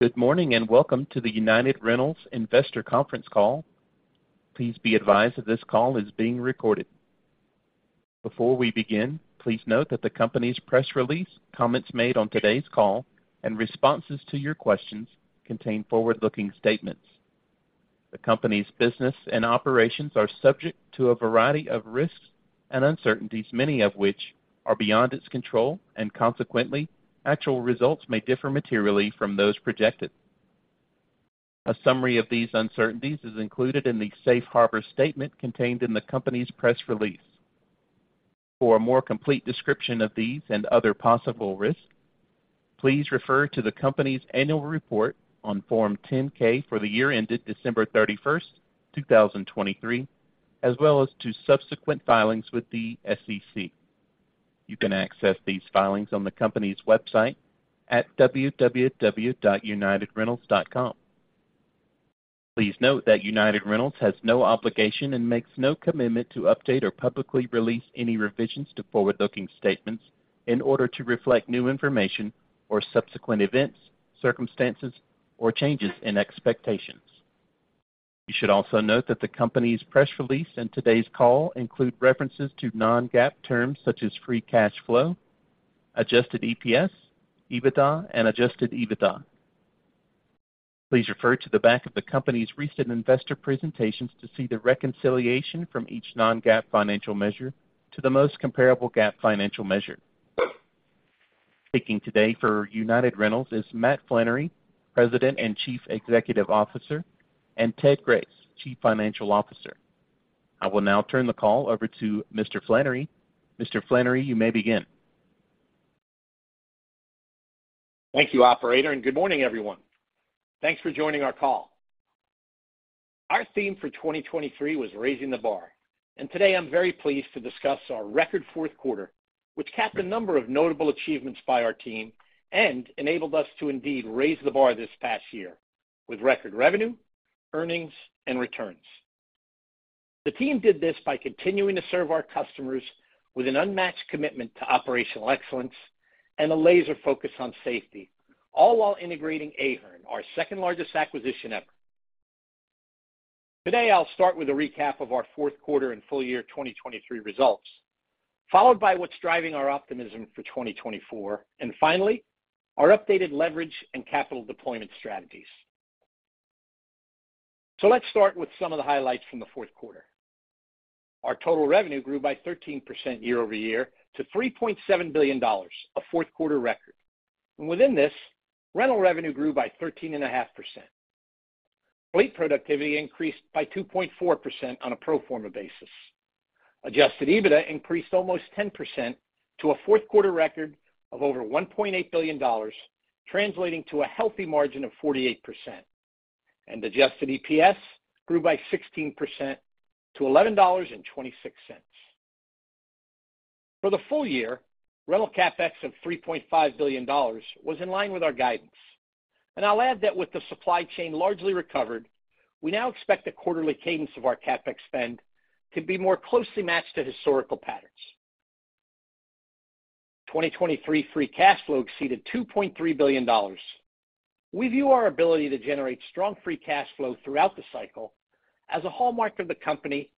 Good morning, and welcome to the United Rentals Investor Conference Call. Please be advised that this call is being recorded. Before we begin, please note that the company's press release, comments made on today's call, and responses to your questions contain forward-looking statements. The company's business and operations are subject to a variety of risks and uncertainties, many of which are beyond its control, and consequently, actual results may differ materially from those projected. A summary of these uncertainties is included in the Safe Harbor Statement contained in the company's press release. For a more complete description of these and other possible risks, please refer to the company's annual report on Form 10-K for the year ended December 31, 2023, as well as to subsequent filings with the SEC. You can access these filings on the company's website at www.unitedrentals.com. Please note that United Rentals has no obligation and makes no commitment to update or publicly release any revisions to forward-looking statements in order to reflect new information or subsequent events, circumstances, or changes in expectations. You should also note that the company's press release and today's call include references to non-GAAP terms such as free cash flow, adjusted EPS, EBITDA, and adjusted EBITDA. Please refer to the back of the company's recent investor presentations to see the reconciliation from each non-GAAP financial measure to the most comparable GAAP financial measure. Speaking today for United Rentals is Matt Flannery, President and Chief Executive Officer, and Ted Grace, Chief Financial Officer. I will now turn the call over to Mr. Flannery. Mr. Flannery, you may begin. Thank you, operator, and good morning, everyone. Thanks for joining our call. Our theme for 2023 was raising the bar, and today I'm very pleased to discuss our record fourth quarter, which capped a number of notable achievements by our team and enabled us to indeed raise the bar this past year with record revenue, earnings, and returns. The team did this by continuing to serve our customers with an unmatched commitment to operational excellence and a laser focus on safety, all while integrating Ahern, our second-largest acquisition ever. Today, I'll start with a recap of our fourth quarter and full year 2023 results, followed by what's driving our optimism for 2024, and finally, our updated leverage and capital deployment strategies. So let's start with some of the highlights from the fourth quarter. Our total revenue grew by 13% year-over-year to $3.7 billion, a fourth-quarter record. Within this, rental revenue grew by 13.5%. Fleet productivity increased by 2.4% on a pro forma basis. Adjusted EBITDA increased almost 10% to a fourth-quarter record of over $1.8 billion, translating to a healthy margin of 48%, and adjusted EPS grew by 16% to $11.26. For the full year, rental CapEx of $3.5 billion was in line with our guidance. And I'll add that with the supply chain largely recovered, we now expect the quarterly cadence of our CapEx spend to be more closely matched to historical patterns. 2023 free cash flow exceeded $2.3 billion. We view our ability to generate strong free cash flow throughout the cycle as a hallmark of the company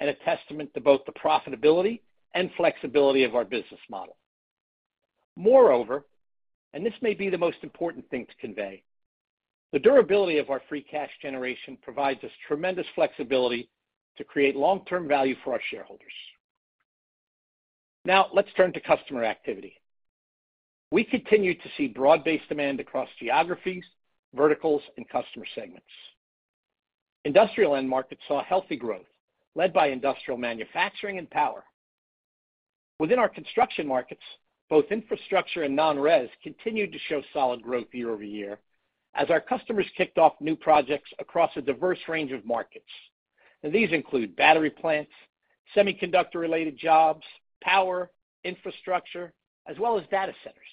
and a testament to both the profitability and flexibility of our business model. Moreover, and this may be the most important thing to convey, the durability of our free cash generation provides us tremendous flexibility to create long-term value for our shareholders. Now, let's turn to customer activity. We continue to see broad-based demand across geographies, verticals, and customer segments. Industrial end markets saw healthy growth led by industrial manufacturing and power. Within our construction markets, both infrastructure and non-res continued to show solid growth year-over-year as our customers kicked off new projects across a diverse range of markets. Now, these include battery plants, semiconductor-related jobs, power, infrastructure, as well as data centers.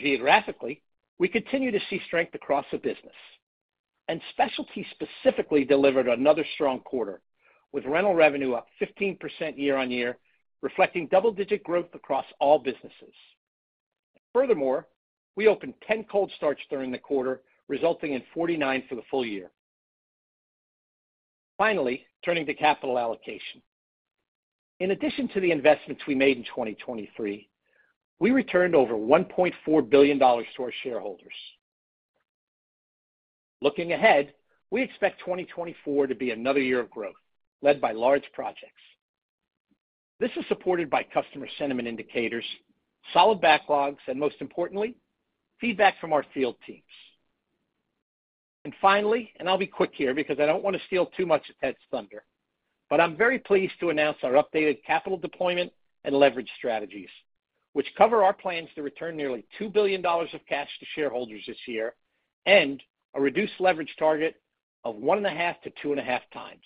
Geographically, we continue to see strength across the business, and Specialty specifically delivered another strong quarter, with rental revenue up 15% year-on-year, reflecting double-digit growth across all businesses. Furthermore, we opened 10 cold starts during the quarter, resulting in 49 for the full year. Finally, turning to capital allocation. In addition to the investments we made in 2023, we returned over $1.4 billion to our shareholders. Looking ahead, we expect 2024 to be another year of growth, led by large projects. This is supported by customer sentiment indicators, solid backlogs, and most importantly, feedback from our field teams. And finally, and I'll be quick here, because I don't want to steal too much of Ted's thunder, but I'm very pleased to announce our updated capital deployment and leverage strategies, which cover our plans to return nearly $2 billion of cash to shareholders this year and a reduced leverage target of 1.5-2.5 times.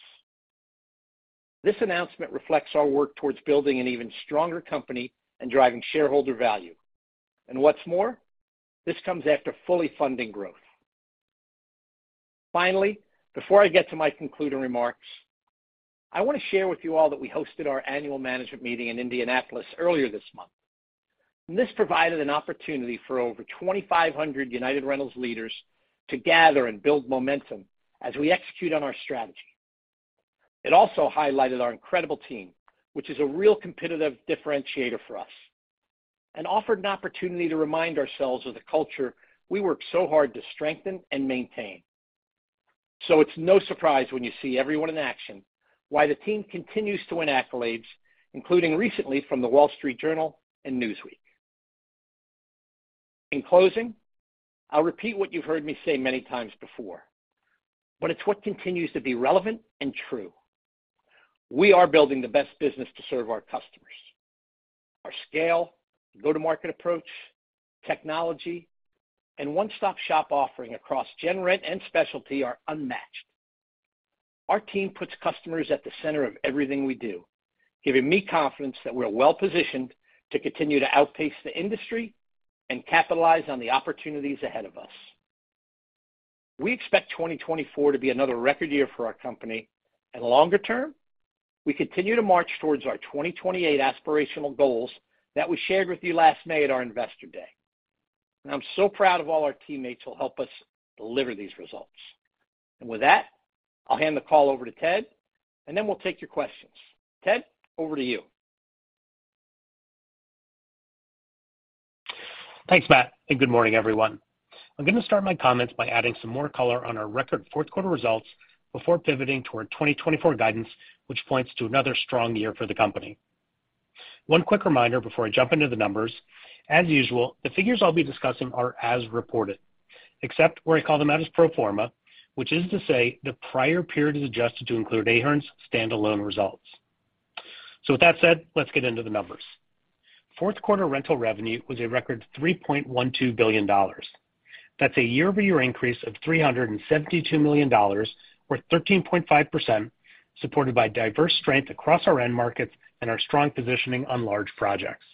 This announcement reflects our work towards building an even stronger company and driving shareholder value. And what's more, this comes after fully funding growth. Finally, before I get to my concluding remarks, I want to share with you all that we hosted our annual management meeting in Indianapolis earlier this month. This provided an opportunity for over 2,500 United Rentals leaders to gather and build momentum as we execute on our strategy. It also highlighted our incredible team, which is a real competitive differentiator for us, and offered an opportunity to remind ourselves of the culture we work so hard to strengthen and maintain. So it's no surprise when you see everyone in action, why the team continues to win accolades, including recently from The Wall Street Journal and Newsweek. In closing, I'll repeat what you've heard me say many times before, but it's what continues to be relevant and true. We are building the best business to serve our customers. Our scale, go-to-market approach, technology, and one-stop-shop offering across Gen Rent and specialty are unmatched. Our team puts customers at the center of everything we do, giving me confidence that we're well-positioned to continue to outpace the industry and capitalize on the opportunities ahead of us. We expect 2024 to be another record year for our company, and longer term, we continue to march towards our 2028 aspirational goals that we shared with you last May at our Investor Day. I'm so proud of all our teammates who'll help us deliver these results. With that, I'll hand the call over to Ted, and then we'll take your questions. Ted, over to you. Thanks, Matt, and good morning, everyone. I'm going to start my comments by adding some more color on our record fourth quarter results before pivoting toward 2024 guidance, which points to another strong year for the company. One quick reminder before I jump into the numbers, as usual, the figures I'll be discussing are as reported, except where I call them out as pro forma, which is to say the prior period is adjusted to include Ahern's standalone results. So with that said, let's get into the numbers. Fourth quarter rental revenue was a record $3.12 billion. That's a year-over-year increase of $372 million, or 13.5%, supported by diverse strength across our end markets and our strong positioning on large projects.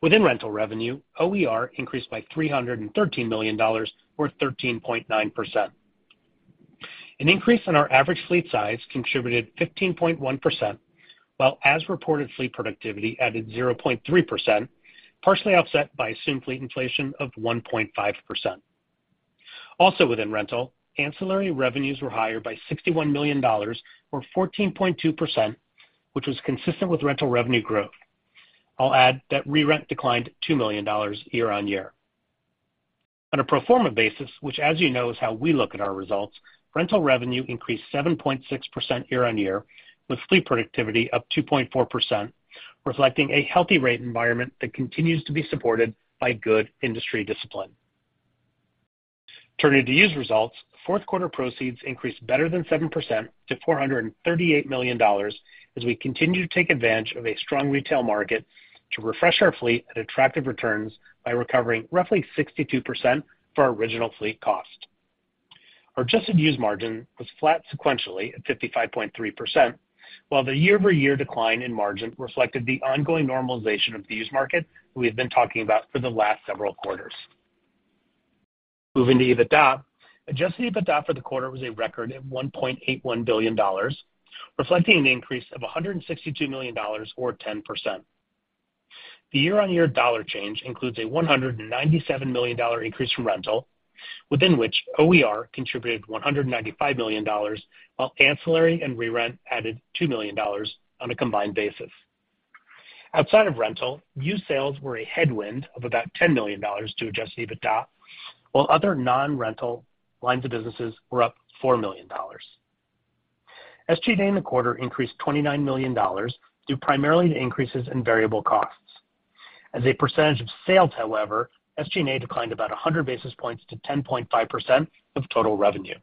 Within rental revenue, OER increased by $313 million, or 13.9%. An increase in our average fleet size contributed 15.1%, while as reported, fleet productivity added 0.3%, partially offset by assumed fleet inflation of 1.5%. Also within rental, ancillary revenues were higher by $61 million, or 14.2%, which was consistent with rental revenue growth. I'll add that re-rent declined $2 million year-on-year. On a pro forma basis, which, as you know, is how we look at our results, rental revenue increased 7.6% year-on-year, with fleet productivity up 2.4%, reflecting a healthy rate environment that continues to be supported by good industry discipline. Turning to used results, fourth quarter proceeds increased better than 7% to $438 million, as we continue to take advantage of a strong retail market to refresh our fleet at attractive returns by recovering roughly 62% for our original fleet cost. Our adjusted used margin was flat sequentially at 55.3%, while the year-over-year decline in margin reflected the ongoing normalization of the used market we have been talking about for the last several quarters. Moving to EBITDA. Adjusted EBITDA for the quarter was a record of $1.81 billion, reflecting an increase of $162 million or 10%. The year-on-year dollar change includes a $197 million increase from rental, within which OER contributed $195 million, while ancillary and re-rent added $2 million on a combined basis. Outside of rental, used sales were a headwind of about $10 million to adjusted EBITDA, while other non-rental lines of businesses were up $4 million. SG&A in the quarter increased $29 million, due primarily to increases in variable costs. As a percentage of sales, however, SG&A declined about 100 basis points to 10.5% of total revenue.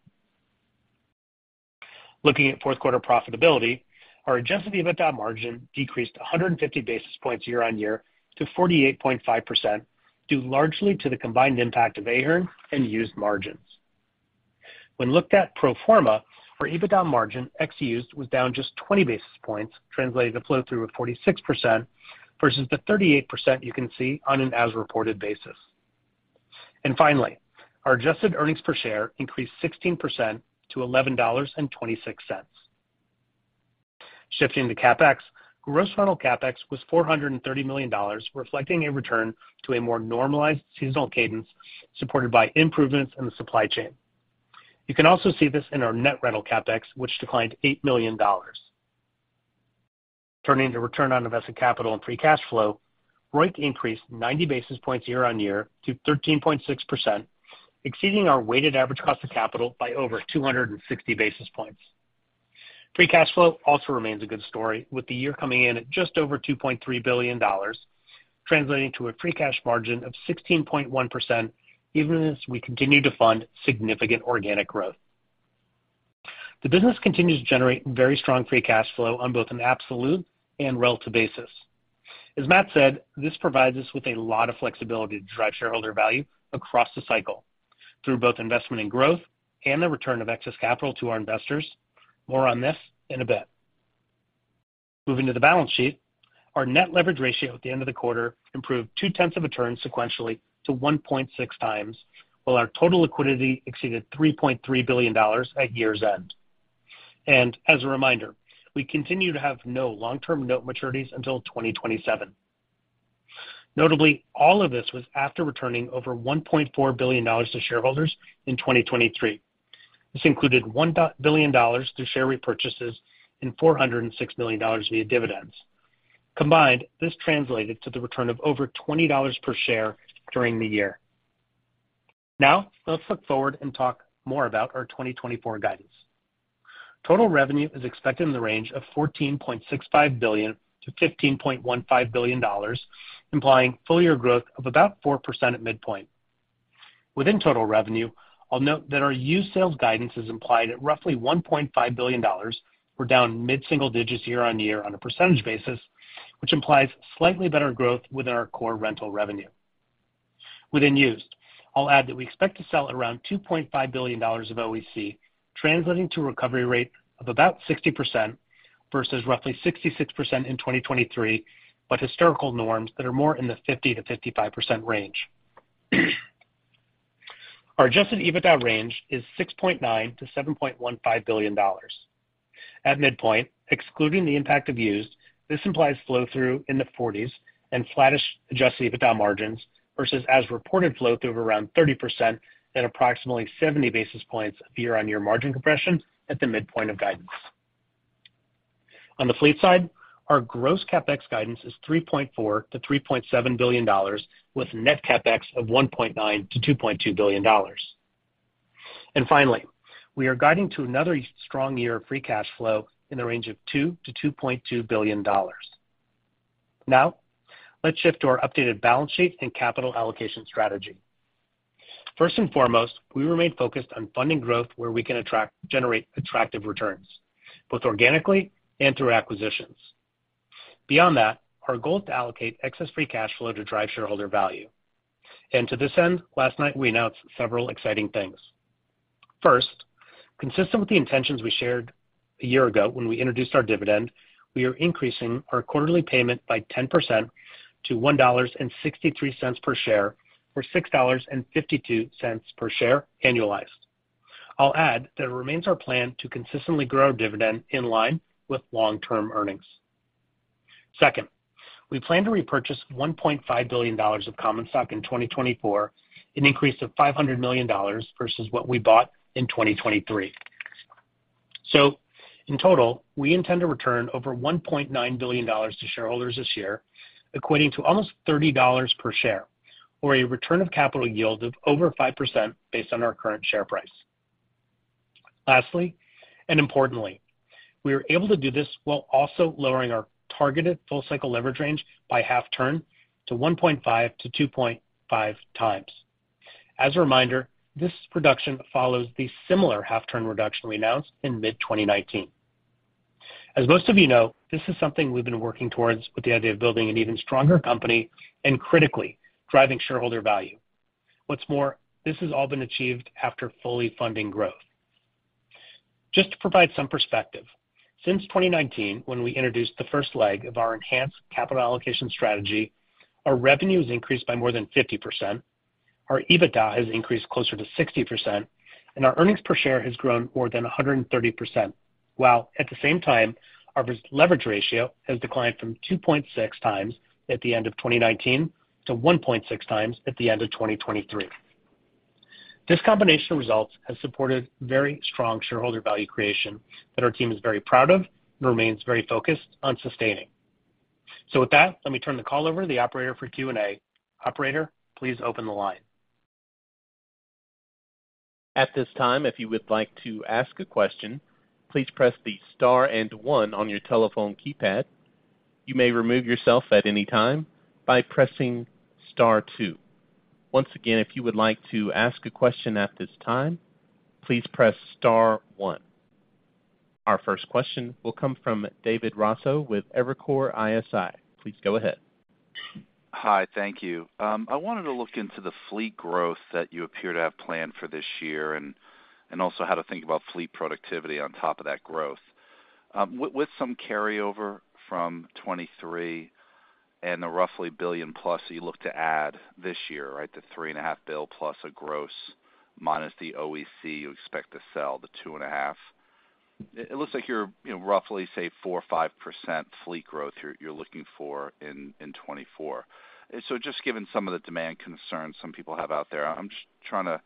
Looking at fourth quarter profitability, our adjusted EBITDA margin decreased 150 basis points year-on-year to 48.5%, due largely to the combined impact of Ahern and used margins. When looked at pro forma, our EBITDA margin, ex-used, was down just 20 basis points, translating a flow-through of 46% versus the 38% you can see on an as-reported basis. And finally, our adjusted earnings per share increased 16% to $11.26. Shifting to CapEx, gross rental CapEx was $430 million, reflecting a return to a more normalized seasonal cadence supported by improvements in the supply chain. You can also see this in our net rental CapEx, which declined $8 million. Turning to return on invested capital and free cash flow, ROIC increased 90 basis points year-on-year to 13.6%, exceeding our weighted average cost of capital by over 260 basis points. Free cash flow also remains a good story, with the year coming in at just over $2.3 billion, translating to a free cash margin of 16.1%, even as we continue to fund significant organic growth. The business continues to generate very strong free cash flow on both an absolute and relative basis. As Matt said, this provides us with a lot of flexibility to drive shareholder value across the cycle through both investment and growth and the return of excess capital to our investors. More on this in a bit.... Moving to the balance sheet, our net leverage ratio at the end of the quarter improved 0.2 of a turn sequentially to 1.6 times, while our total liquidity exceeded $3.3 billion at year's end. And as a reminder, we continue to have no long-term note maturities until 2027. Notably, all of this was after returning over $1.4 billion to shareholders in 2023. This included $1 billion through share repurchases and $406 million via dividends. Combined, this translated to the return of over $20 per share during the year. Now, let's look forward and talk more about our 2024 guidance. Total revenue is expected in the range of $14.65 billion-$15.15 billion, implying full year growth of about 4% at midpoint. Within total revenue, I'll note that our used sales guidance is implied at roughly $1.5 billion or down mid-single digits year-on-year on a percentage basis, which implies slightly better growth within our core rental revenue. Within used, I'll add that we expect to sell around $2.5 billion of OEC, translating to a recovery rate of about 60% versus roughly 66% in 2023, but historical norms that are more in the 50%-55% range. Our adjusted EBITDA range is $6.9 billion-$7.15 billion. At midpoint, excluding the impact of used, this implies flow-through in the 40s and flattish adjusted EBITDA margins versus as reported flow-through of around 30% at approximately 70 basis points of year-on-year margin compression at the midpoint of guidance. On the fleet side, our gross CapEx guidance is $3.4 billion-$3.7 billion, with net CapEx of $1.9 billion-$2.2 billion. And finally, we are guiding to another strong year of free cash flow in the range of $2 billion-$2.2 billion. Now, let's shift to our updated balance sheet and capital allocation strategy. First and foremost, we remain focused on funding growth where we can generate attractive returns, both organically and through acquisitions. Beyond that, our goal is to allocate excess free cash flow to drive shareholder value. And to this end, last night, we announced several exciting things. First, consistent with the intentions we shared a year ago when we introduced our dividend, we are increasing our quarterly payment by 10% to $1.63 per share, or $6.52 per share annualized. I'll add that it remains our plan to consistently grow our dividend in line with long-term earnings. Second, we plan to repurchase $1.5 billion of common stock in 2024, an increase of $500 million versus what we bought in 2023. So in total, we intend to return over $1.9 billion to shareholders this year, equating to almost $30 per share or a return of capital yield of over 5% based on our current share price. Lastly, and importantly, we are able to do this while also lowering our targeted full cycle leverage range by half turn to 1.5-2.5 times. As a reminder, this reduction follows the similar half turn reduction we announced in mid-2019. As most of you know, this is something we've been working towards with the idea of building an even stronger company and critically driving shareholder value. What's more, this has all been achieved after fully funding growth. Just to provide some perspective, since 2019, when we introduced the first leg of our enhanced capital allocation strategy, our revenue has increased by more than 50%, our EBITDA has increased closer to 60%, and our earnings per share has grown more than 130%, while at the same time, our leverage ratio has declined from 2.6 times at the end of 2019 to 1.6 times at the end of 2023. This combination of results has supported very strong shareholder value creation that our team is very proud of and remains very focused on sustaining. So with that, let me turn the call over to the operator for Q&A. Operator, please open the line. At this time, if you would like to ask a question, please press the star and one on your telephone keypad. You may remove yourself at any time by pressing star two. Once again, if you would like to ask a question at this time, please press star one. Our first question will come from David Raso with Evercore ISI. Please go ahead. Hi, thank you. I wanted to look into the fleet growth that you appear to have planned for this year and also how to think about fleet productivity on top of that growth. With some carryover from 2023 and the roughly $1 billion plus you look to add this year, right, the $3.5 billion plus gross minus the OEC you expect to sell, the $2.5. It looks like you're, you know, roughly, say, 4% or 5% fleet growth you're looking for in 2024. So just given some of the demand concerns some people have out there, I'm just trying to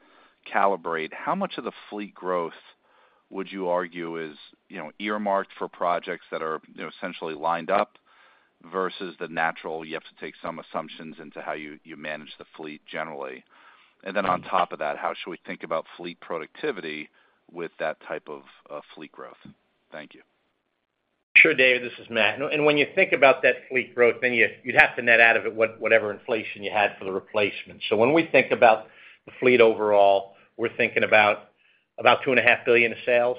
calibrate how much of the fleet growth would you argue is, you know, earmarked for projects that are, you know, essentially lined up versus the natural. You have to take some assumptions into how you manage the fleet generally. And then on top of that, how should we think about fleet productivity with that type of fleet growth? Thank you. Sure, David, this is Matt. And when you think about that fleet growth, then you, you'd have to net out of it whatever inflation you had for the replacement. So when we think about the fleet overall, we're thinking about $2.5 billion of sales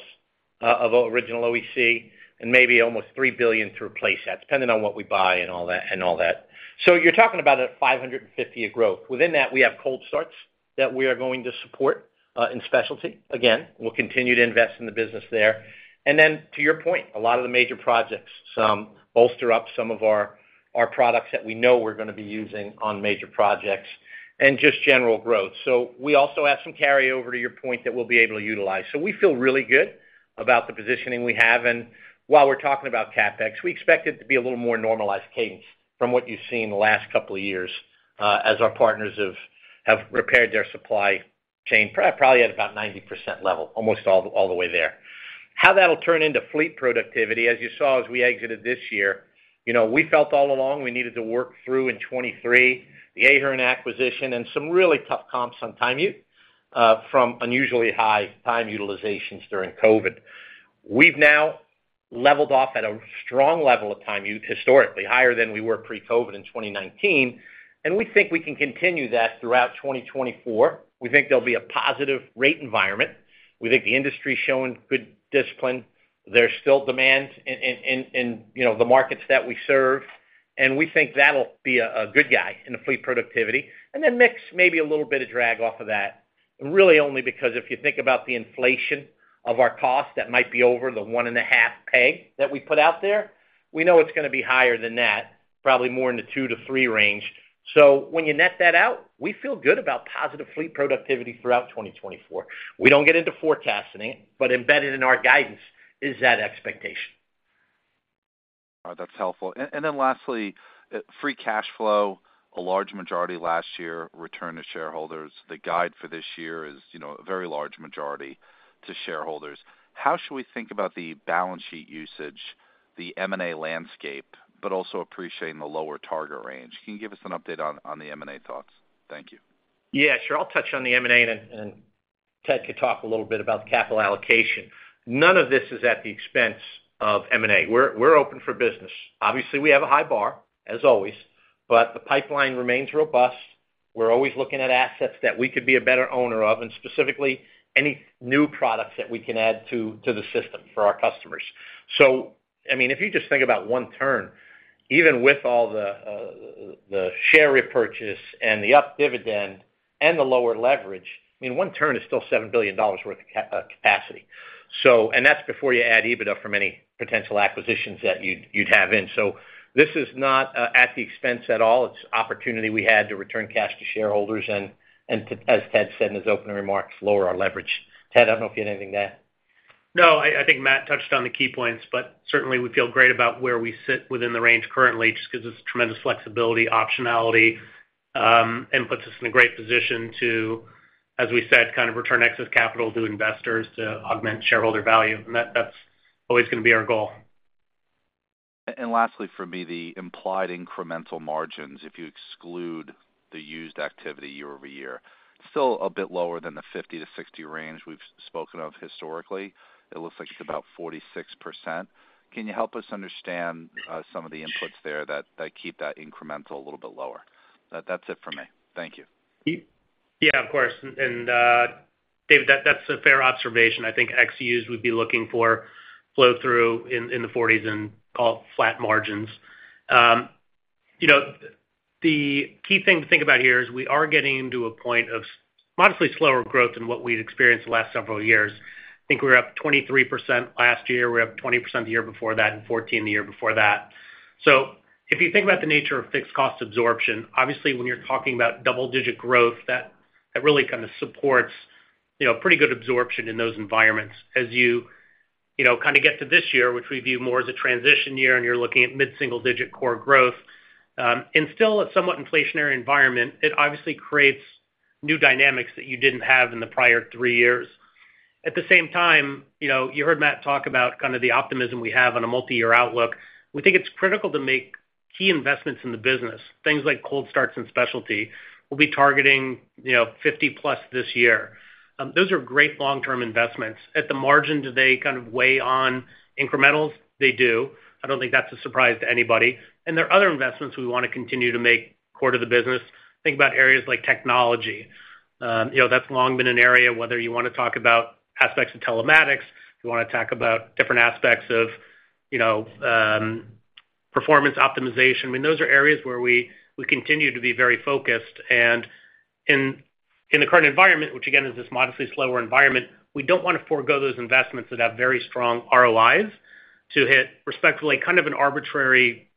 of original OEC and maybe almost $3 billion to replace that, depending on what we buy and all that, and all that. So you're talking about $550 million of growth. Within that, we have cold starts that we are going to support in specialty. Again, we'll continue to invest in the business there. And then to your point, a lot of the major projects, some bolster up some of our-... are products that we know we're going to be using on major projects and just general growth. So we also have some carryover, to your point, that we'll be able to utilize. So we feel really good about the positioning we have. And while we're talking about CapEx, we expect it to be a little more normalized cadence from what you've seen in the last couple of years, as our partners have repaired their supply chain, probably at about 90% level, almost all the way there. How that'll turn into fleet productivity, as you saw as we exited this year, you know, we felt all along we needed to work through in 2023, the Ahern acquisition and some really tough comps on time ut, from unusually high time utilizations during COVID. We've now leveled off at a strong level of Time Ut, historically higher than we were pre-COVID in 2019, and we think we can continue that throughout 2024. We think there'll be a positive rate environment. We think the industry is showing good discipline. There's still demand in you know, the markets that we serve, and we think that'll be a good guy in the fleet productivity. And then mix maybe a little bit of drag off of that, and really only because if you think about the inflation of our costs, that might be over the 1.5% that we put out there. We know it's going to be higher than that, probably more in the 2-3 range. So when you net that out, we feel good about positive fleet productivity throughout 2024. We don't get into forecasting, but embedded in our guidance is that expectation. That's helpful. And then lastly, free cash flow, a large majority last year returned to shareholders. The guide for this year is, you know, a very large majority to shareholders. How should we think about the balance sheet usage, the M&A landscape, but also appreciating the lower target range? Can you give us an update on the M&A thoughts? Thank you. Yeah, sure. I'll touch on the M&A, and Ted could talk a little bit about capital allocation. None of this is at the expense of M&A. We're open for business. Obviously, we have a high bar, as always, but the pipeline remains robust. We're always looking at assets that we could be a better owner of, and specifically, any new products that we can add to the system for our customers. So I mean, if you just think about one turn, even with all the share repurchase and the up dividend and the lower leverage, I mean, one turn is still $7 billion worth of capacity. So and that's before you add EBITDA from any potential acquisitions that you'd have in. So this is not at the expense at all. It's opportunity we had to return cash to shareholders, and to, as Ted said in his opening remarks, lower our leverage. Ted, I don't know if you had anything to add. No, I think Matt touched on the key points, but certainly we feel great about where we sit within the range currently, just because it's tremendous flexibility, optionality, and puts us in a great position to, as we said, kind of return excess capital to investors to augment shareholder value. And that's always going to be our goal. And lastly, for me, the implied incremental margins, if you exclude the used activity year-over-year, still a bit lower than the 50%-60% range we've spoken of historically. It looks like it's about 46%. Can you help us understand some of the inputs there that keep that incremental a little bit lower? That's it for me. Thank you. Yeah, of course. Dave, that's a fair observation. I think ex-used, we'd be looking for flow-through in the 40s and call it flat margins. You know, the key thing to think about here is we are getting into a point of modestly slower growth than what we'd experienced the last several years. I think we were up 23% last year. We were up 20% the year before that, and 14% the year before that. So if you think about the nature of fixed cost absorption, obviously, when you're talking about double-digit growth, that really kind of supports, you know, pretty good absorption in those environments. As you know, kind of get to this year, which we view more as a transition year, and you're looking at mid-single digit core growth, and still a somewhat inflationary environment, it obviously creates new dynamics that you didn't have in the prior three years. At the same time, you know, you heard Matt talk about kind of the optimism we have on a multi-year outlook. We think it's critical to make key investments in the business, things like cold starts and specialty. We'll be targeting, you know, 50+ this year. Those are great long-term investments. At the margin, do they kind of weigh on incrementals? They do. I don't think that's a surprise to anybody. And there are other investments we want to continue to make core to the business. Think about areas like technology. You know, that's long been an area, whether you want to talk about aspects of telematics, you want to talk about different aspects of, you know, performance optimization. I mean, those are areas where we continue to be very focused. And in the current environment, which again, is this modestly slower environment, we don't want to forgo those investments that have very strong ROIs to hit respectfully, kind of an arbitrary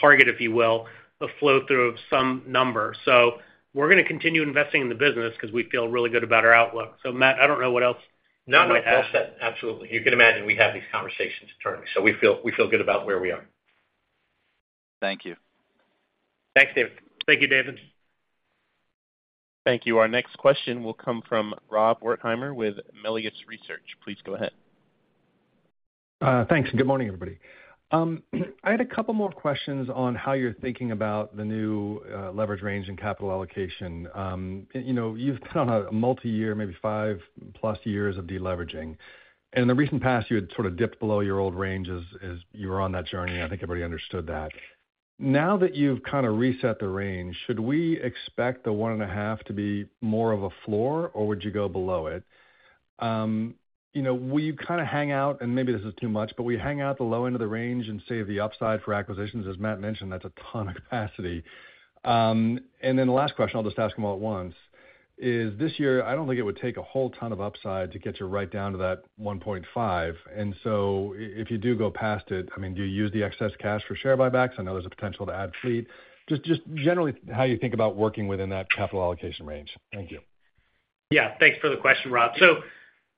target, if you will, a flow-through of some number. So we're going to continue investing in the business because we feel really good about our outlook. So Matt, I don't know what else- No, Matt, well said. Absolutely. You can imagine we have these conversations internally, so we feel, we feel good about where we are. Thank you. Thanks, David. Thank you, David. Thank you. Our next question will come from Rob Wertheimer with Melius Research. Please go ahead. Thanks, and good morning, everybody. I had a couple more questions on how you're thinking about the new leverage range and capital allocation. You know, you've been on a multi-year, maybe 5+ years of deleveraging. In the recent past, you had sort of dipped below your old range as you were on that journey. I think everybody understood that. Now that you've kind of reset the range, should we expect the 1.5 to be more of a floor, or would you go below it? You know, will you kind of hang out, and maybe this is too much, but will you hang out the low end of the range and save the upside for acquisitions? As Matt mentioned, that's a ton of capacity.... And then the last question, I'll just ask them all at once, is this year, I don't think it would take a whole ton of upside to get you right down to that 1.5. And so if you do go past it, I mean, do you use the excess cash for share buybacks? I know there's a potential to add fleet. Just, just generally, how you think about working within that capital allocation range? Thank you. Yeah, thanks for the question, Rob. So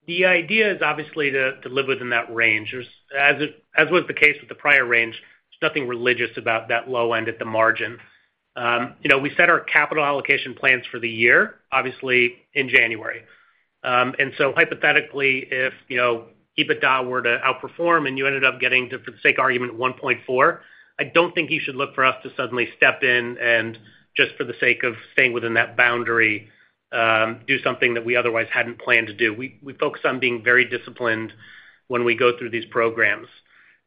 the idea is obviously to live within that range. There's, as was the case with the prior range, there's nothing religious about that low end at the margin. You know, we set our capital allocation plans for the year, obviously, in January. And so hypothetically, if, you know, EBITDA were to outperform and you ended up getting, for the sake of argument, 1.4, I don't think you should look for us to suddenly step in and just for the sake of staying within that boundary, do something that we otherwise hadn't planned to do. We focus on being very disciplined when we go through these programs.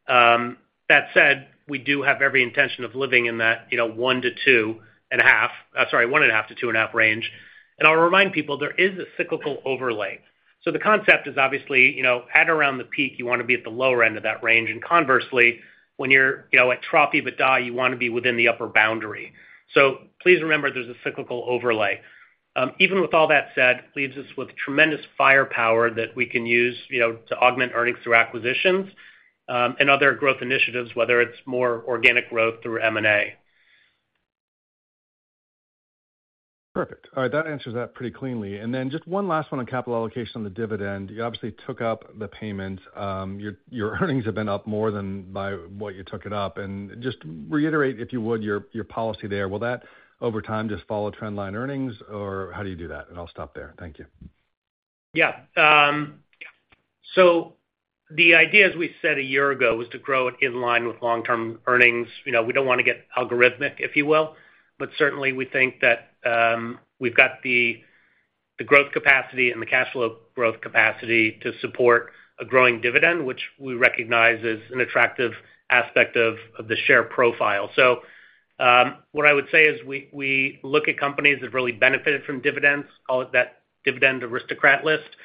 That said, we do have every intention of living in that, you know, 1-2.5... Sorry, 1.5-2.5 range. And I'll remind people, there is a cyclical overlay. So the concept is obviously, you know, at around the peak, you wanna be at the lower end of that range. And conversely, when you're, you know, at trough EBITDA, you wanna be within the upper boundary. So please remember, there's a cyclical overlay. Even with all that said, leaves us with tremendous firepower that we can use, you know, to augment earnings through acquisitions, and other growth initiatives, whether it's more organic growth through M&A. Perfect. All right, that answers that pretty cleanly. And then just one last one on capital allocation on the dividend. You obviously took up the payment. Your, your earnings have been up more than by what you took it up. And just reiterate, if you would, your, your policy there. Will that, over time, just follow trend line earnings, or how do you do that? And I'll stop there. Thank you. Yeah. So the idea, as we said a year ago, was to grow it in line with long-term earnings. You know, we don't wanna get algorithmic, if you will, but certainly we think that, we've got the growth capacity and the cash flow growth capacity to support a growing dividend, which we recognize as an attractive aspect of the share profile. So, what I would say is we look at companies that really benefited from dividends, call it that dividend aristocrat list.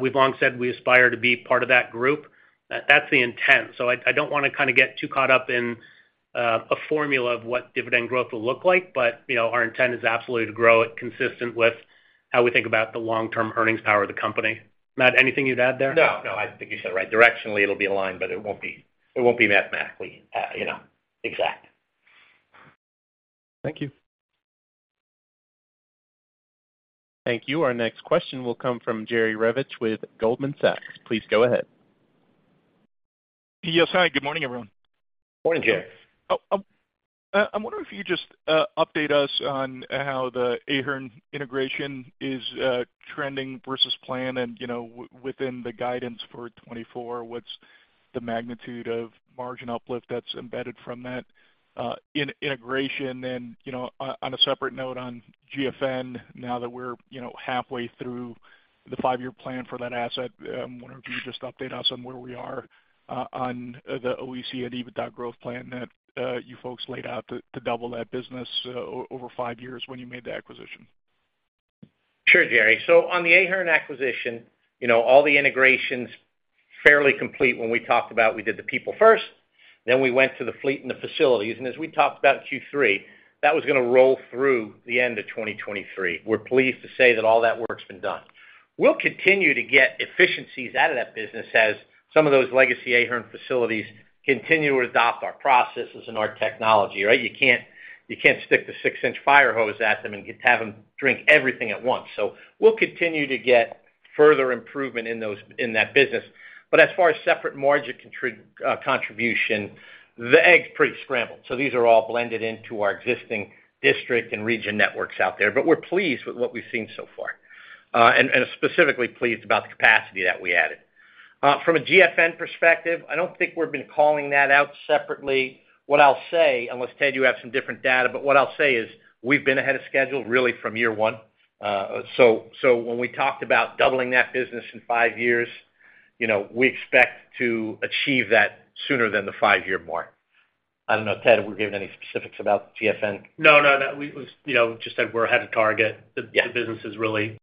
We've long said we aspire to be part of that group. That's the intent. So I don't wanna kind of get too caught up in a formula of what dividend growth will look like, but, you know, our intent is absolutely to grow it consistent with how we think about the long-term earnings power of the company. Matt, anything you'd add there? No, no, I think you said it right. Directionally, it'll be aligned, but it won't be, it won't be mathematically, you know, exact. Thank you. Thank you. Our next question will come from Jerry Revich with Goldman Sachs. Please go ahead. Yes, hi, good morning, everyone. Morning, Jerry. I'm wondering if you could just update us on how the Ahern integration is trending versus plan and, you know, within the guidance for 2024, what's the magnitude of margin uplift that's embedded from that integration? And, you know, on a separate note on GFN, now that we're, you know, halfway through the five-year plan for that asset, wonder if you could just update us on where we are on the OEC and EBITDA growth plan that you folks laid out to double that business over five years when you made the acquisition. Sure, Jerry. So on the Ahern acquisition, you know, all the integration's fairly complete. When we talked about, we did the people first, then we went to the fleet and the facilities. And as we talked about in Q3, that was gonna roll through the end of 2023. We're pleased to say that all that work's been done. We'll continue to get efficiencies out of that business as some of those legacy Ahern facilities continue to adopt our processes and our technology, right? You can't, you can't stick the six-inch fire hose at them and get- have them drink everything at once. So we'll continue to get further improvement in those- in that business. But as far as separate margin contri- contribution, the egg's pretty scrambled, so these are all blended into our existing district and region networks out there. But we're pleased with what we've seen so far, specifically pleased about the capacity that we added. From a GFN perspective, I don't think we've been calling that out separately. What I'll say, unless, Ted, you have some different data, but what I'll say is we've been ahead of schedule really from year one. So when we talked about doubling that business in five years, you know, we expect to achieve that sooner than the five-year mark. I don't know, Ted, if we're giving any specifics about GFN? No, no, that was, you know, just that we're ahead of target. Yeah. The business has really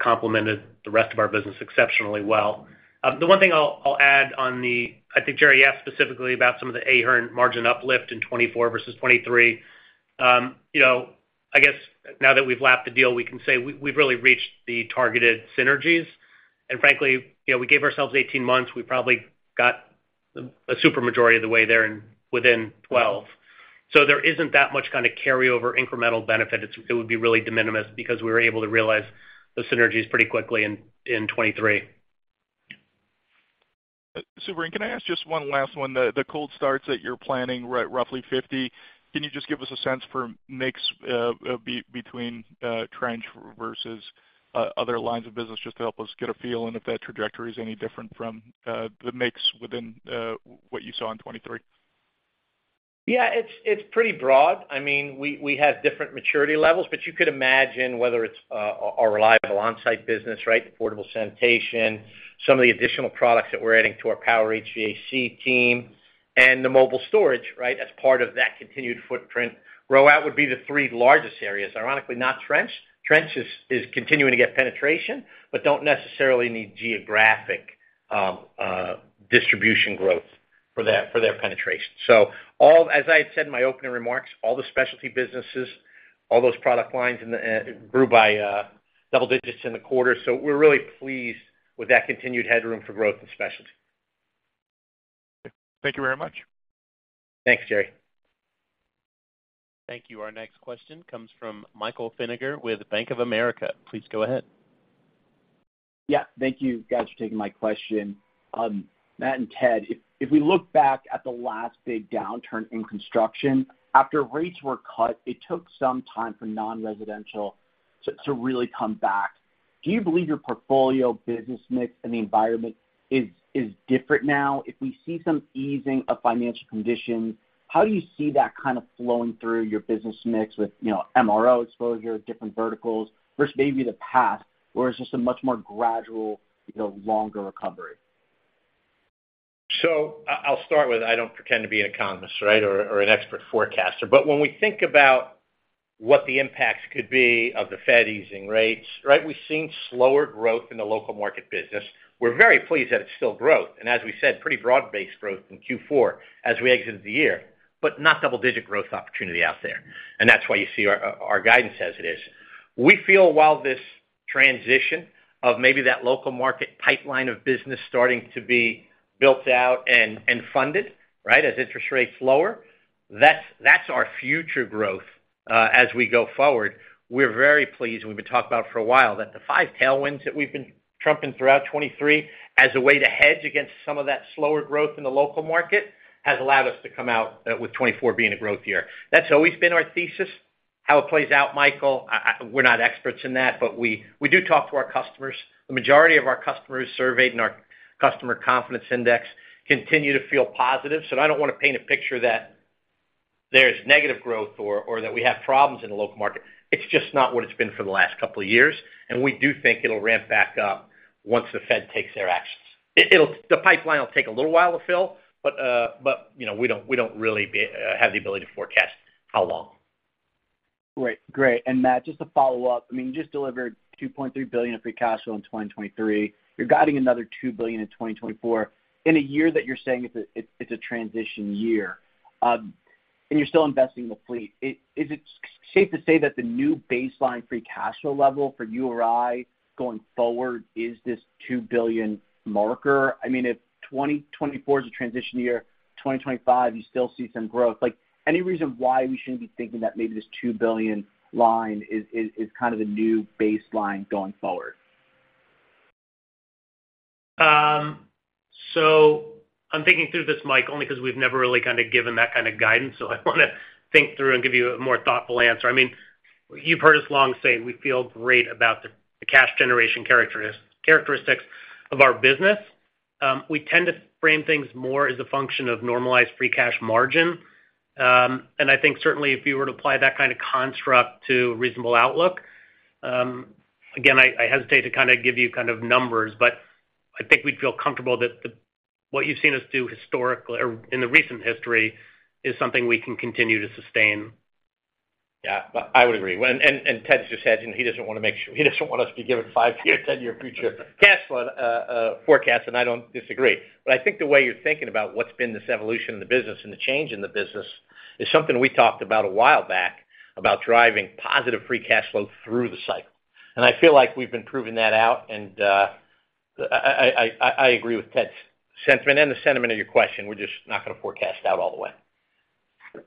complemented the rest of our business exceptionally well. The one thing I'll add on the... I think, Jerry, you asked specifically about some of the Ahern margin uplift in 2024 versus 2023. You know, I guess now that we've lapped the deal, we can say we've really reached the targeted synergies. And frankly, you know, we gave ourselves 18 months. We probably got a super majority of the way there and within 12. So there isn't that much kind of carryover incremental benefit. It would be really de minimis because we were able to realize the synergies pretty quickly in 2023. Super, can I ask just one last one? The cold starts that you're planning, right, roughly 50, can you just give us a sense for mix between Trench versus other lines of business, just to help us get a feel, and if that trajectory is any different from the mix within what you saw in 2023? Yeah, it's, it's pretty broad. I mean, we, we have different maturity levels, but you could imagine whether it's our Reliable Onsite business, right? Portable sanitation, some of the additional products that we're adding to our Power & HVAC team, and the Mobile Storage, right, as part of that continued footprint. Rollout would be the three largest areas, ironically, not Trench. Trench is, is continuing to get penetration, but don't necessarily need geographic distribution growth for that, for their penetration. So all, as I had said in my opening remarks, all the specialty businesses, all those product lines in the grew by double digits in the quarter. So we're really pleased with that continued headroom for growth in specialty. Thank you very much. Thanks, Jerry. Thank you. Our next question comes from Michael Feniger with Bank of America. Please go ahead. Yeah, thank you, guys, for taking my question. Matt and Ted, if we look back at the last big downturn in construction, after rates were cut, it took some time for non-residential to really come back. Do you believe your portfolio business mix and the environment is different now? If we see some easing of financial conditions, how do you see that kind of flowing through your business mix with, you know, MRO exposure, different verticals versus maybe the past, or is this a much more gradual, you know, longer recovery? So, I'll start with, I don't pretend to be an economist, right, or an expert forecaster. But when we think about what the impacts could be of the Fed easing rates, right? We've seen slower growth in the local market business. We're very pleased that it's still growth, and as we said, pretty broad-based growth in Q4 as we exited the year, but not double-digit growth opportunity out there. And that's why you see our guidance as it is. We feel while this transition of maybe that local market pipeline of business starting to be built out and funded, right, as interest rates lower, that's our future growth as we go forward. We're very pleased, and we've been talking about it for a while, that the five tailwinds that we've been trumpeting throughout 2023 as a way to hedge against some of that slower growth in the local market, has allowed us to come out with 2024 being a growth year. That's always been our thesis. How it plays out, Michael, I. We're not experts in that, but we do talk to our customers. The majority of our customers surveyed in our Customer Confidence Index continue to feel positive, so I don't want to paint a picture that there's negative growth or that we have problems in the local market. It's just not what it's been for the last couple of years, and we do think it'll ramp back up once the Fed takes their actions. The pipeline will take a little while to fill, but, you know, we don't really have the ability to forecast how long. Great. Great. And Matt, just to follow up, I mean, you just delivered $2.3 billion of free cash flow in 2023. You're guiding another $2 billion in 2024, in a year that you're saying it's a transition year. And you're still investing in the fleet. Is it safe to say that the new baseline free cash flow level for URI going forward is this $2 billion marker? I mean, if 2024 is a transition year, 2025, you still see some growth. Like, any reason why we shouldn't be thinking that maybe this $2 billion line is kind of the new baseline going forward? So I'm thinking through this, Mike, only because we've never really kind of given that kind of guidance, so I want to think through and give you a more thoughtful answer. I mean, you've heard us long say we feel great about the cash generation characteristics of our business. We tend to frame things more as a function of normalized free cash margin. And I think certainly if you were to apply that kind of construct to reasonable outlook, again, I hesitate to kind of give you kind of numbers, but I think we'd feel comfortable that the what you've seen us do historically or in the recent history is something we can continue to sustain. Yeah. But I would agree. And Ted's just said, you know, he doesn't want to make sure, he doesn't want us to be giving 5-year, 10-year future cash flow forecasts, and I don't disagree. But I think the way you're thinking about what's been this evolution in the business and the change in the business is something we talked about a while back, about driving positive Free Cash Flow through the cycle. And I feel like we've been proving that out, and I agree with Ted's sentiment and the sentiment of your question. We're just not going to forecast out all the way.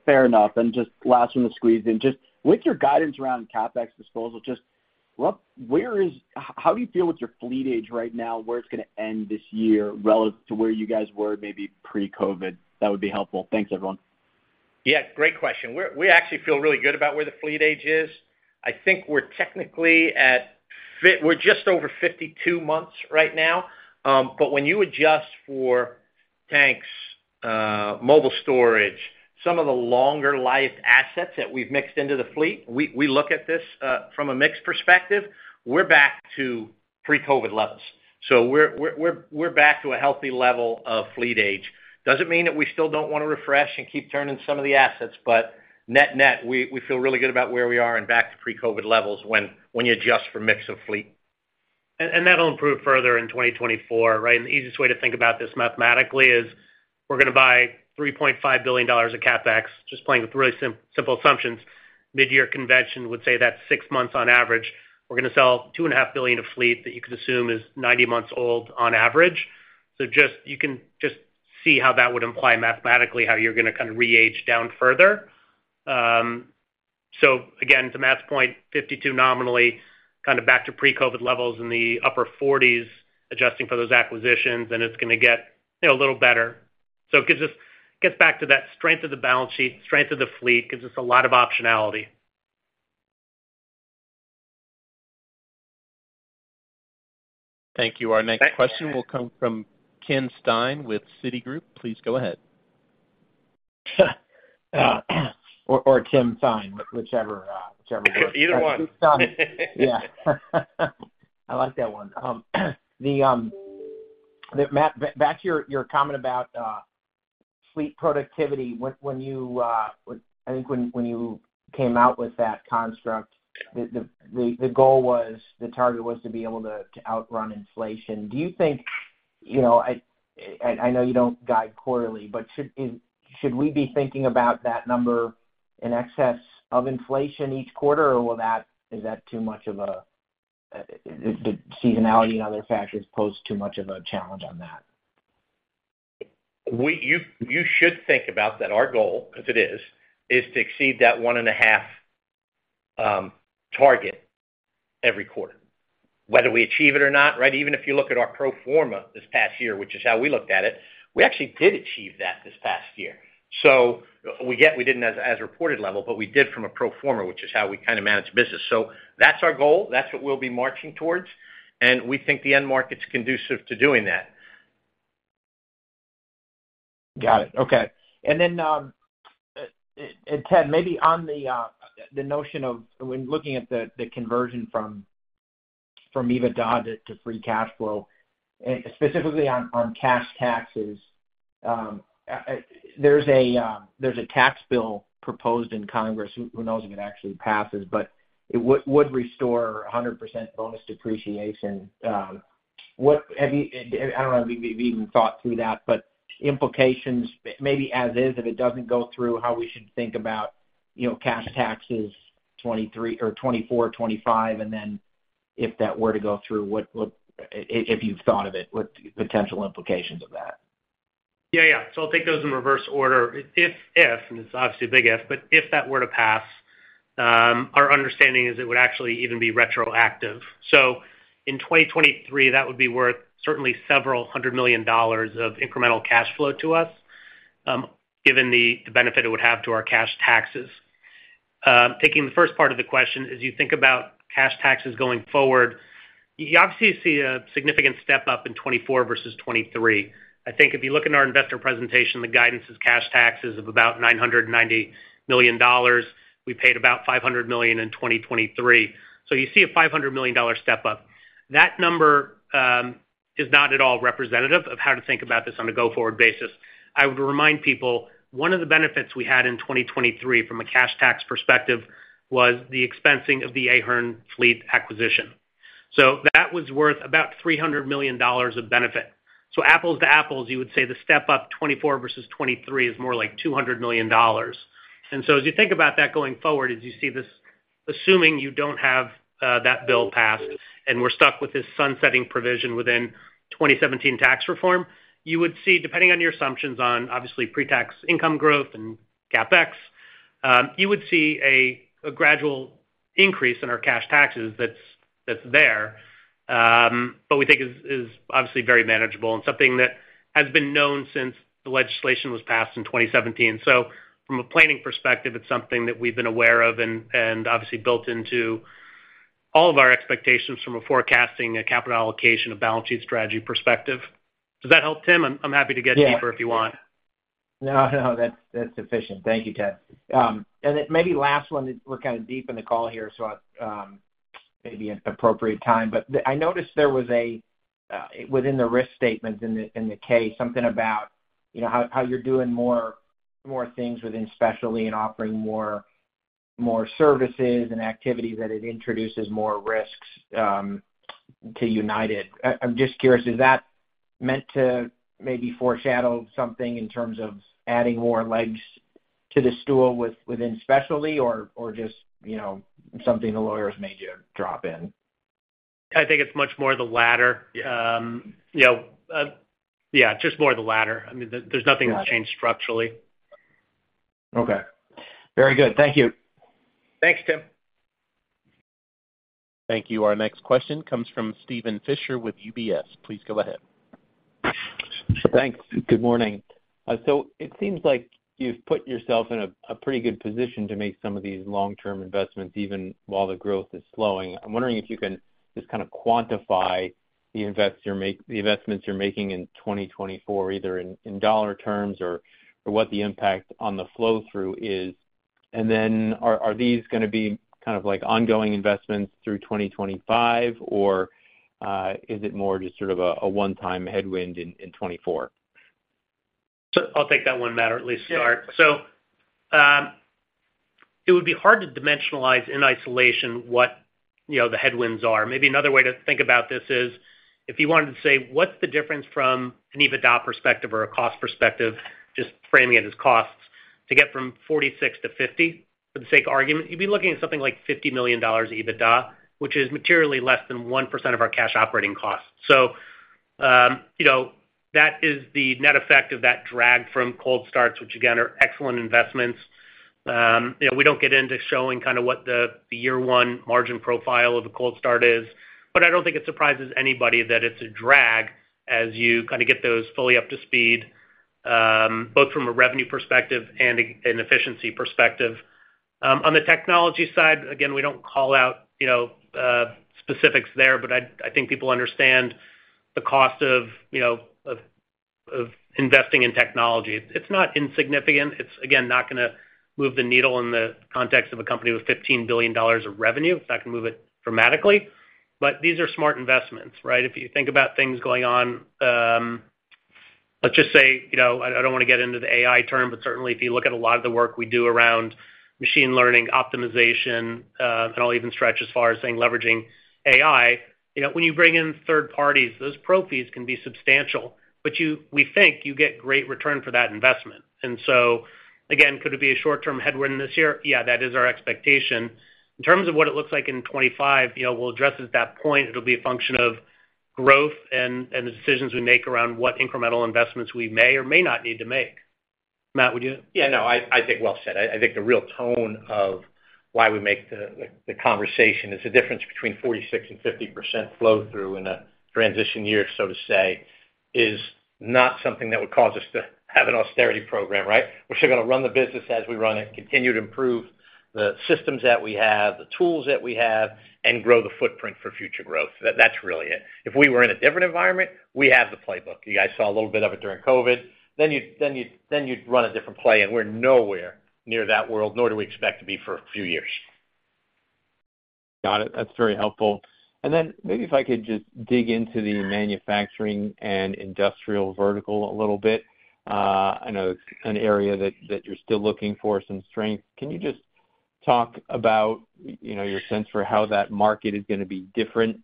Fair enough. And just last one to squeeze in, just with your guidance around CapEx disposal, just rough, where is... How do you feel with your fleet age right now, where it's going to end this year relative to where you guys were maybe pre-COVID? That would be helpful. Thanks, everyone. Yeah, great question. We actually feel really good about where the fleet age is. I think we're technically at - we're just over 52 months right now. But when you adjust for tanks, mobile storage, some of the longer life assets that we've mixed into the fleet, we look at this from a mix perspective, we're back to pre-COVID levels. So we're back to a healthy level of fleet age. Doesn't mean that we still don't want to refresh and keep turning some of the assets, but net-net, we feel really good about where we are and back to pre-COVID levels when you adjust for mix of fleet. And that'll improve further in 2024, right? And the easiest way to think about this mathematically is we're going to buy $3.5 billion of CapEx, just playing with really simple assumptions. Mid-year convention would say that's six months on average. We're going to sell $2.5 billion of fleet that you could assume is 90 months old on average. So just, you can just see how that would imply mathematically, how you're going to kind of re-age down further. So again, to Matt's point, 52 nominally, kind of back to pre-COVID levels in the upper 40s, adjusting for those acquisitions, and it's going to get, you know, a little better. So it gives us, gets back to that strength of the balance sheet, strength of the fleet, gives us a lot of optionality. Thank you. Our next question will come from Timothy Thein with Citigroup. Please go ahead. or Timothy Thein, whichever Either one. Yeah. I like that one. Matt, back to your comment about ... fleet productivity. When you came out with that construct, I think, the goal was, the target was to be able to outrun inflation. Do you think, you know, I know you don't guide quarterly, but should we be thinking about that number in excess of inflation each quarter? Or is that too much of a challenge? The seasonality and other factors pose too much of a challenge on that? You should think about that our goal, because it is to exceed that 1.5 target every quarter. Whether we achieve it or not, right? Even if you look at our pro forma this past year, which is how we looked at it, we actually did achieve that this past year. So we didn't as reported level, but we did from a pro forma, which is how we kind of manage business. So that's our goal. That's what we'll be marching towards, and we think the end market's conducive to doing that. Got it. Okay. And then, and Ted, maybe on the, the notion of when looking at the, the conversion from, EBITDA to, Free Cash Flow, and specifically on, cash taxes, there's a, there's a tax bill proposed in Congress. Who knows if it actually passes, but it would restore 100% bonus depreciation. What have you—I don't know if you've even thought through that, but implications, maybe as is, if it doesn't go through, how we should think about, you know, cash taxes, 2023 or 2024, 2025, and then if that were to go through, what, if you've thought of it, what potential implications of that? Yeah, yeah. So I'll take those in reverse order. If, and it's obviously a big if, but if that were to pass, our understanding is it would actually even be retroactive. So in 2023, that would be worth certainly several hundred million dollars of incremental cash flow to us, given the, the benefit it would have to our cash taxes. Taking the first part of the question, as you think about cash taxes going forward, you obviously see a significant step-up in 2024 versus 2023. I think if you look at our investor presentation, the guidance is cash taxes of about $990 million. We paid about $500 million in 2023. So you see a $500 million step-up. That number is not at all representative of how to think about this on a go-forward basis. I would remind people, one of the benefits we had in 2023 from a cash tax perspective was the expensing of the Ahern fleet acquisition. So that was worth about $300 million of benefit. So apples to apples, you would say the step up 2024 versus 2023 is more like $200 million. And so as you think about that going forward, as you see this, assuming you don't have that bill passed, and we're stuck with this sunsetting provision within 2017 tax reform, you would see, depending on your assumptions on obviously pre-tax income growth and CapEx, you would see a, a gradual increase in our cash taxes that's, that's there, but we think is, is obviously very manageable and something that has been known since the legislation was passed in 2017. So from a planning perspective, it's something that we've been aware of and obviously built into all of our expectations from a forecasting, a capital allocation, a balance sheet strategy perspective. Does that help, Tim? I'm happy to get deeper if you want. No, no, that's, that's sufficient. Thank you, Ted. And then maybe last one, we're kind of deep in the call here, so maybe an appropriate time. But I noticed there was a within the risk statement in the K, something about, you know, how, how you're doing more, more things within specialty and offering more, more services and activities, that it introduces more risks to United. I'm just curious, is that meant to maybe foreshadow something in terms of adding more legs to the stool within specialty or, or just, you know, something the lawyers made you drop in? I think it's much more the latter. You know, yeah, just more the latter. I mean, there, there's nothing that changed structurally. Okay. Very good. Thank you. Thanks, Tim. Thank you. Our next question comes from Steven Fisher with UBS. Please go ahead. Thanks. Good morning. So it seems like you've put yourself in a pretty good position to make some of these long-term investments, even while the growth is slowing. I'm wondering if you can just kind of quantify the investments you're making in 2024, either in dollar terms or what the impact on the flow-through is. And then are these gonna be kind of like ongoing investments through 2025, or is it more just sort of a one-time headwind in 2024? So I'll take that one, Matt, or at least start. Yeah. So, it would be hard to dimensionalize in isolation what, you know, the headwinds are. Maybe another way to think about this is, if you wanted to say, what's the difference from an EBITDA perspective or a cost perspective, just framing it as costs, to get from 46 to 50, for the sake of argument, you'd be looking at something like $50 million EBITDA, which is materially less than 1% of our cash operating costs. So, you know, that is the net effect of that drag from cold starts, which again, are excellent investments. You know, we don't get into showing kind of what the year one margin profile of a cold start is, but I don't think it surprises anybody that it's a drag as you kind of get those fully up to speed, both from a revenue perspective and an efficiency perspective. On the technology side, again, we don't call out, you know, specifics there, but I think people understand the cost of, you know, investing in technology. It's not insignificant. It's, again, not gonna move the needle in the context of a company with $15 billion of revenue. It's not gonna move it dramatically, but these are smart investments, right? If you think about things going on, let's just say, you know, I, I don't wanna get into the AI term, but certainly if you look at a lot of the work we do around machine learning, optimization, and I'll even stretch as far as saying leveraging AI, you know, when you bring in third parties, those pro fees can be substantial, but you-- we think you get great return for that investment. And so, again, could it be a short-term headwind this year? Yeah, that is our expectation. In terms of what it looks like in 2025, you know, we'll address at that point. It'll be a function of growth and, and the decisions we make around what incremental investments we may or may not need to make. Matt, would you? Yeah, no, I, I think well said. I, I think the real tone of why we make the, the, the conversation is the difference between 46% and 50% flow-through in a transition year, so to say, is not something that would cause us to have an austerity program, right? We're still gonna run the business as we run it, continue to improve the systems that we have, the tools that we have, and grow the footprint for future growth. That- that's really it. If we were in a different environment, we have the playbook. You guys saw a little bit of it during COVID. Then you'd, then you'd, then you'd run a different play, and we're nowhere near that world, nor do we expect to be for a few years. Got it. That's very helpful. And then maybe if I could just dig into the manufacturing and industrial vertical a little bit. I know it's an area that you're still looking for some strength. Can you just talk about, you know, your sense for how that market is gonna be different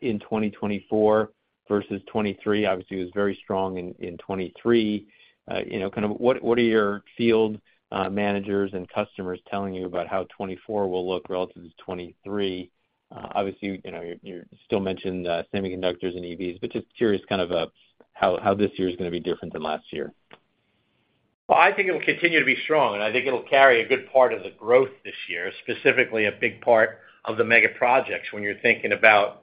in 2024 versus 2023? Obviously, it was very strong in 2023. You know, kind of what are your field managers and customers telling you about how 2024 will look relative to 2023? Obviously, you know, you still mentioned semiconductors and EVs, but just curious kind of how this year is gonna be different than last year. Well, I think it will continue to be strong, and I think it'll carry a good part of the growth this year, specifically a big part of the mega projects when you're thinking about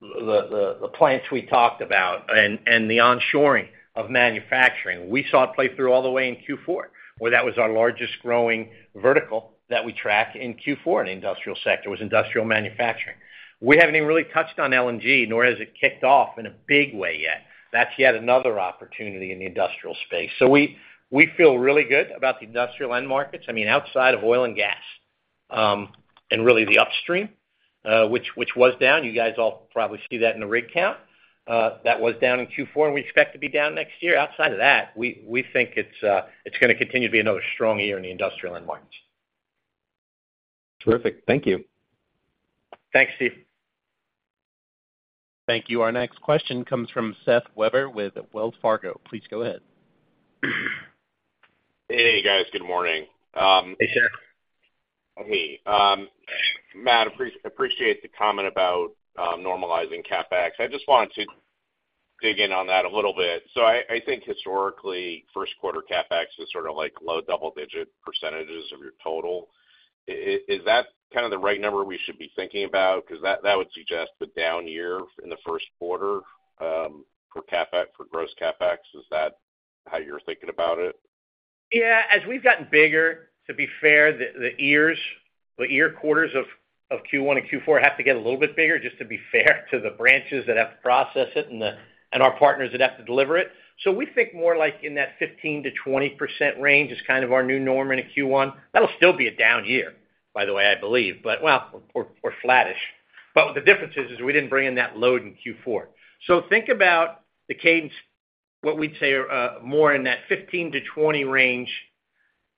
the plants we talked about and the onshoring of manufacturing. We saw it play through all the way in Q4, where that was our largest growing vertical that we track in Q4 in the industrial sector, was industrial manufacturing. We haven't even really touched on LNG, nor has it kicked off in a big way yet. That's yet another opportunity in the industrial space. So we feel really good about the industrial end markets. I mean, outside of oil and gas, and really the upstream, which was down. You guys all probably see that in the rig count. That was down in Q4, and we expect to be down next year. Outside of that, we think it's gonna continue to be another strong year in the industrial end markets. Terrific. Thank you. Thanks, Steve. Thank you. Our next question comes from Seth Weber with Wells Fargo. Please go ahead. Hey, guys, good morning. Hey, Seth. Hey, Matt, appreciate the comment about normalizing CapEx. I just wanted to dig in on that a little bit. So I think historically, first quarter CapEx is sort of like low double-digit percentages of your total. Is that kind of the right number we should be thinking about? 'Cause that, that would suggest a down year in the first quarter for CapEx, for gross CapEx. Is that how you're thinking about it? Yeah. As we've gotten bigger, to be fair, the, the years, the year quarters of, of Q1 and Q4 have to get a little bit bigger, just to be fair to the branches that have to process it and the, and our partners that have to deliver it. So we think more like in that 15%-20% range is kind of our new norm in a Q1. That'll still be a down year, by the way, I believe, but well, or, or flattish. But the difference is, is we didn't bring in that load in Q4. So think about the cadence, what we'd say, more in that 15%-20% range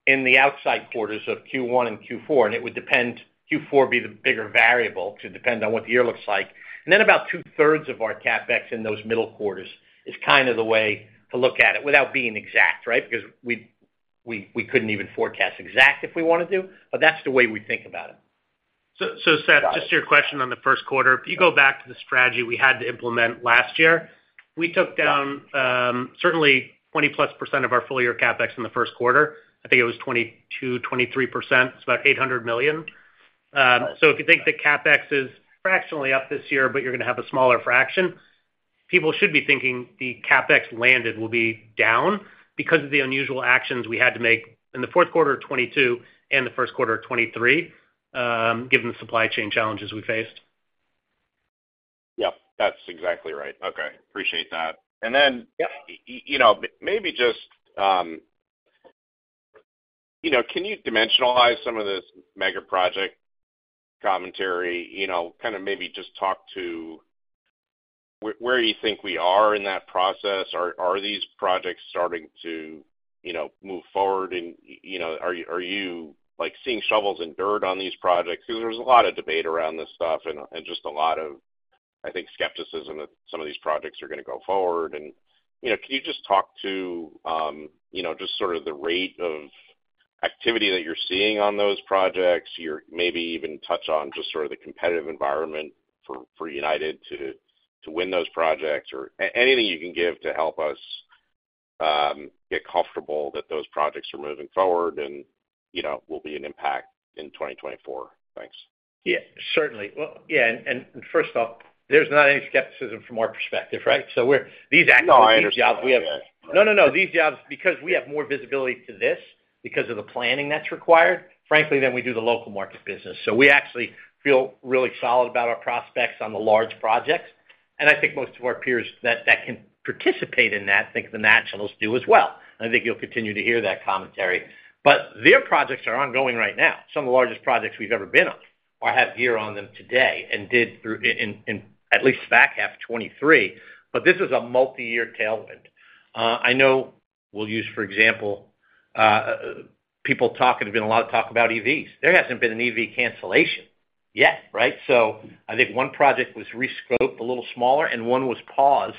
in the outside quarters of Q1 and Q4, and it would depend, Q4 be the bigger variable to depend on what the year looks like. And then about two-thirds of our CapEx in those middle quarters is kind of the way to look at it without being exact, right? Because we couldn't even forecast exact if we wanted to, but that's the way we think about it. So, Seth, just to your question on the first quarter, if you go back to the strategy we had to implement last year, we took down certainly 20+% of our full-year CapEx in the first quarter. I think it was 22%-23%. It's about $800 million. So if you think the CapEx is fractionally up this year, but you're gonna have a smaller fraction, people should be thinking the CapEx landed will be down because of the unusual actions we had to make in the fourth quarter of 2022 and the first quarter of 2023, given the supply chain challenges we faced. Yep, that's exactly right. Okay, appreciate that. And then- Yep. You know, maybe just, you know, can you dimensionalize some of this mega project commentary? You know, kind of maybe just talk to where you think we are in that process. Are these projects starting to, you know, move forward? And you know, are you, like, seeing shovels and dirt on these projects? Because there's a lot of debate around this stuff and just a lot of, I think, skepticism that some of these projects are gonna go forward. And you know, can you just talk to just sort of the rate of activity that you're seeing on those projects? You're maybe even touch on just sort of the competitive environment for United to win those projects, or anything you can give to help us get comfortable that those projects are moving forward and, you know, will be an impact in 2024. Thanks. Yeah, certainly. Well, yeah, and first off, there's not any skepticism from our perspective, right? So we're—these actually, these jobs we have- No, I understand. No, no, no. These jobs, because we have more visibility to this because of the planning that's required, frankly, than we do the local market business. So we actually feel really solid about our prospects on the large projects... and I think most of our peers that can participate in that think the nationals do as well. And I think you'll continue to hear that commentary. But their projects are ongoing right now. Some of the largest projects we've ever been on or have gear on them today, and did through in at least back half 2023, but this is a multi-year tailwind. I know we'll use, for example, people talk, there's been a lot of talk about EVs. There hasn't been an EV cancellation yet, right? So I think one project was re-scoped a little smaller and one was paused,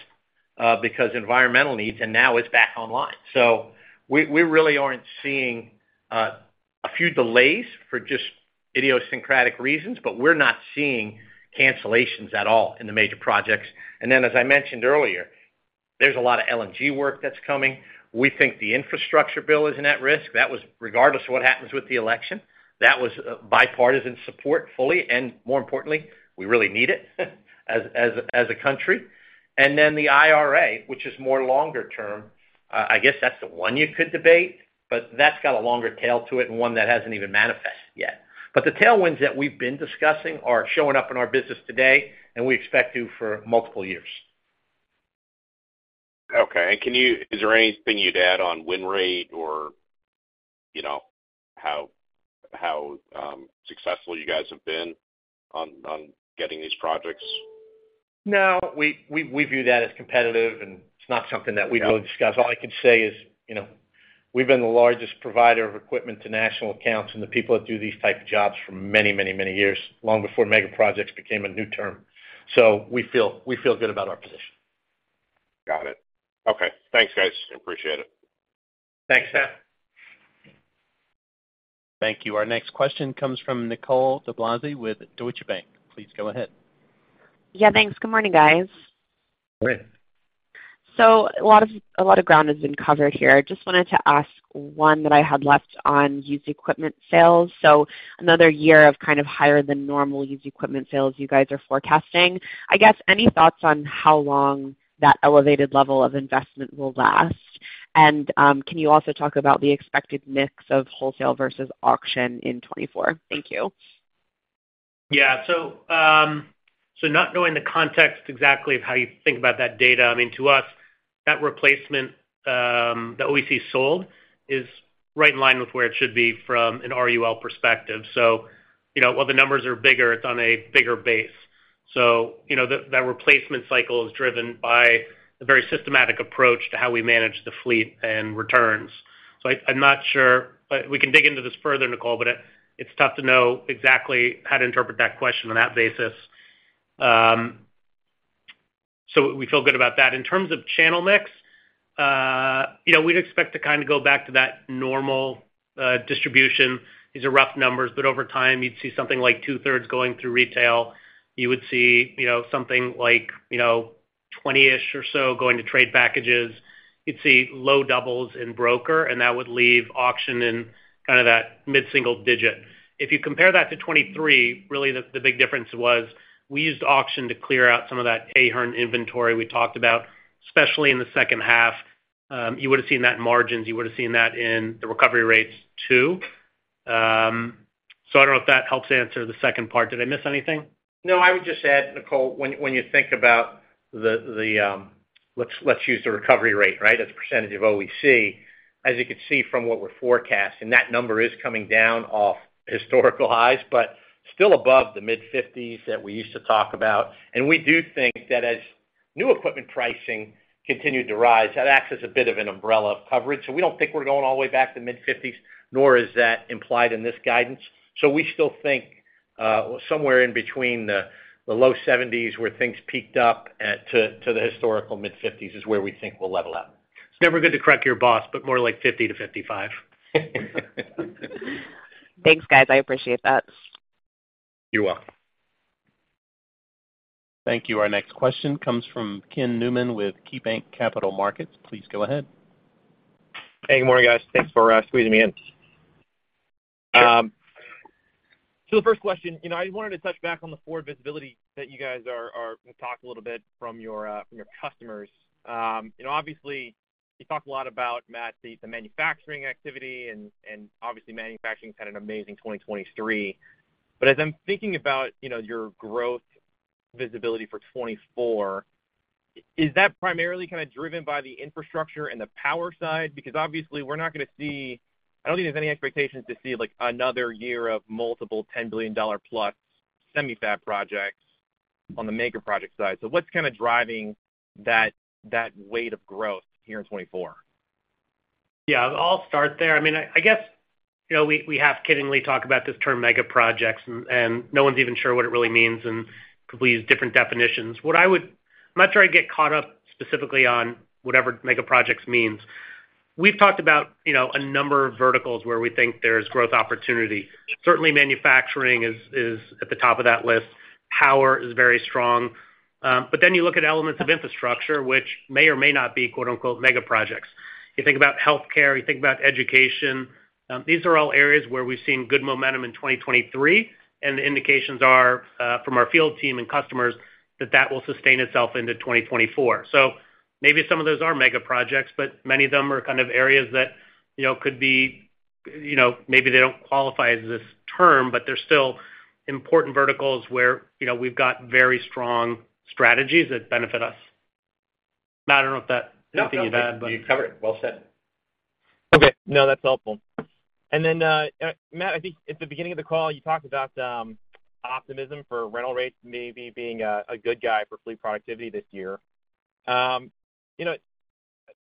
because environmental needs, and now it's back online. So we, we really aren't seeing a few delays for just idiosyncratic reasons, but we're not seeing cancellations at all in the major projects. And then, as I mentioned earlier, there's a lot of LNG work that's coming. We think the infrastructure bill isn't at risk. That was regardless of what happens with the election, that was bipartisan support fully, and more importantly, we really need it as, as, as a country. And then the IRA, which is more longer term, I guess that's the one you could debate, but that's got a longer tail to it and one that hasn't even manifested yet. The tailwinds that we've been discussing are showing up in our business today, and we expect to for multiple years. Okay. And can you—is there anything you'd add on win rate or, you know, how successful you guys have been on getting these projects? No, we view that as competitive, and it's not something that we really discuss. All I can say is, you know, we've been the largest provider of equipment to national accounts and the people that do these type of jobs for many, many, many years, long before mega projects became a new term. So we feel good about our position. Got it. Okay. Thanks, guys. Appreciate it. Thanks, Sam. Thank you. Our next question comes from Nicole DeBlase with Deutsche Bank. Please go ahead. Yeah, thanks. Good morning, guys. Morning. So a lot of ground has been covered here. I just wanted to ask one that I had left on used equipment sales. Another year of kind of higher than normal used equipment sales, you guys are forecasting. I guess any thoughts on how long that elevated level of investment will last? And can you also talk about the expected mix of wholesale versus auction in 2024? Thank you. Yeah. So, so not knowing the context exactly of how you think about that data, I mean, to us, that replacement, that OEC sold is right in line with where it should be from an RUL perspective. So, you know, while the numbers are bigger, it's on a bigger base. So, you know, that, that replacement cycle is driven by a very systematic approach to how we manage the fleet and returns. So I'm not sure, but we can dig into this further, Nicole, but it, it's tough to know exactly how to interpret that question on that basis. So we feel good about that. In terms of channel mix, you know, we'd expect to kind of go back to that normal distribution. These are rough numbers, but over time, you'd see something like two-thirds going through retail. You would see, you know, something like, you know, 20-ish or so going to trade packages. You'd see low doubles in broker, and that would leave auction in kind of that mid-single digit. If you compare that to 2023, really, the big difference was we used auction to clear out some of that Ahern inventory we talked about, especially in the second half. You would have seen that in margins, you would have seen that in the recovery rates, too. So I don't know if that helps answer the second part. Did I miss anything? No, I would just add, Nicole, when you think about the recovery rate, right, as a percentage of OEC. As you can see from what we're forecasting, that number is coming down off historical highs, but still above the mid-50s that we used to talk about. And we do think that as new equipment pricing continued to rise, that acts as a bit of an umbrella of coverage. So we don't think we're going all the way back to mid-50s, nor is that implied in this guidance. So we still think somewhere in between the low 70s, where things peaked up, to the historical mid-50s, is where we think we'll level out. It's never good to correct your boss, but more like 50-55. Thanks, guys. I appreciate that. You're welcome. Thank you. Our next question comes from Ken Newman with KeyBanc Capital Markets. Please go ahead. Hey, good morning, guys. Thanks for squeezing me in. So the first question, you know, I just wanted to touch back on the forward visibility that you guys are talked a little bit from your customers. You know, obviously, you talked a lot about, Matt, the manufacturing activity and obviously, manufacturing has had an amazing 2023. But as I'm thinking about, you know, your growth visibility for 2024, is that primarily kind of driven by the infrastructure and the power side? Because obviously, we're not gonna see... I don't think there's any expectations to see, like, another year of multiple $10 billion plus semi-fab projects on the mega project side. So what's kind of driving that weight of growth here in 2024? Yeah, I'll start there. I mean, I guess, you know, we have kiddingly talked about this term mega projects, and no one's even sure what it really means, and people use different definitions. I'm not sure I'd get caught up specifically on whatever mega projects means. We've talked about, you know, a number of verticals where we think there's growth opportunity. Certainly, manufacturing is at the top of that list. Power is very strong. But then you look at elements of infrastructure, which may or may not be, quote, unquote, "mega projects." You think about healthcare, you think about education, these are all areas where we've seen good momentum in 2023, and the indications are from our field team and customers, that that will sustain itself into 2024. So maybe some of those are mega projects, but many of them are kind of areas that, you know, could be, you know, maybe they don't qualify as this term, but they're still important verticals where, you know, we've got very strong strategies that benefit us. Matt, I don't know if that, anything you'd add, but- No, you covered it. Well said. Okay. No, that's helpful. And then, Matt, I think at the beginning of the call, you talked about, optimism for rental rates maybe being a, a good guy for fleet productivity this year. You know,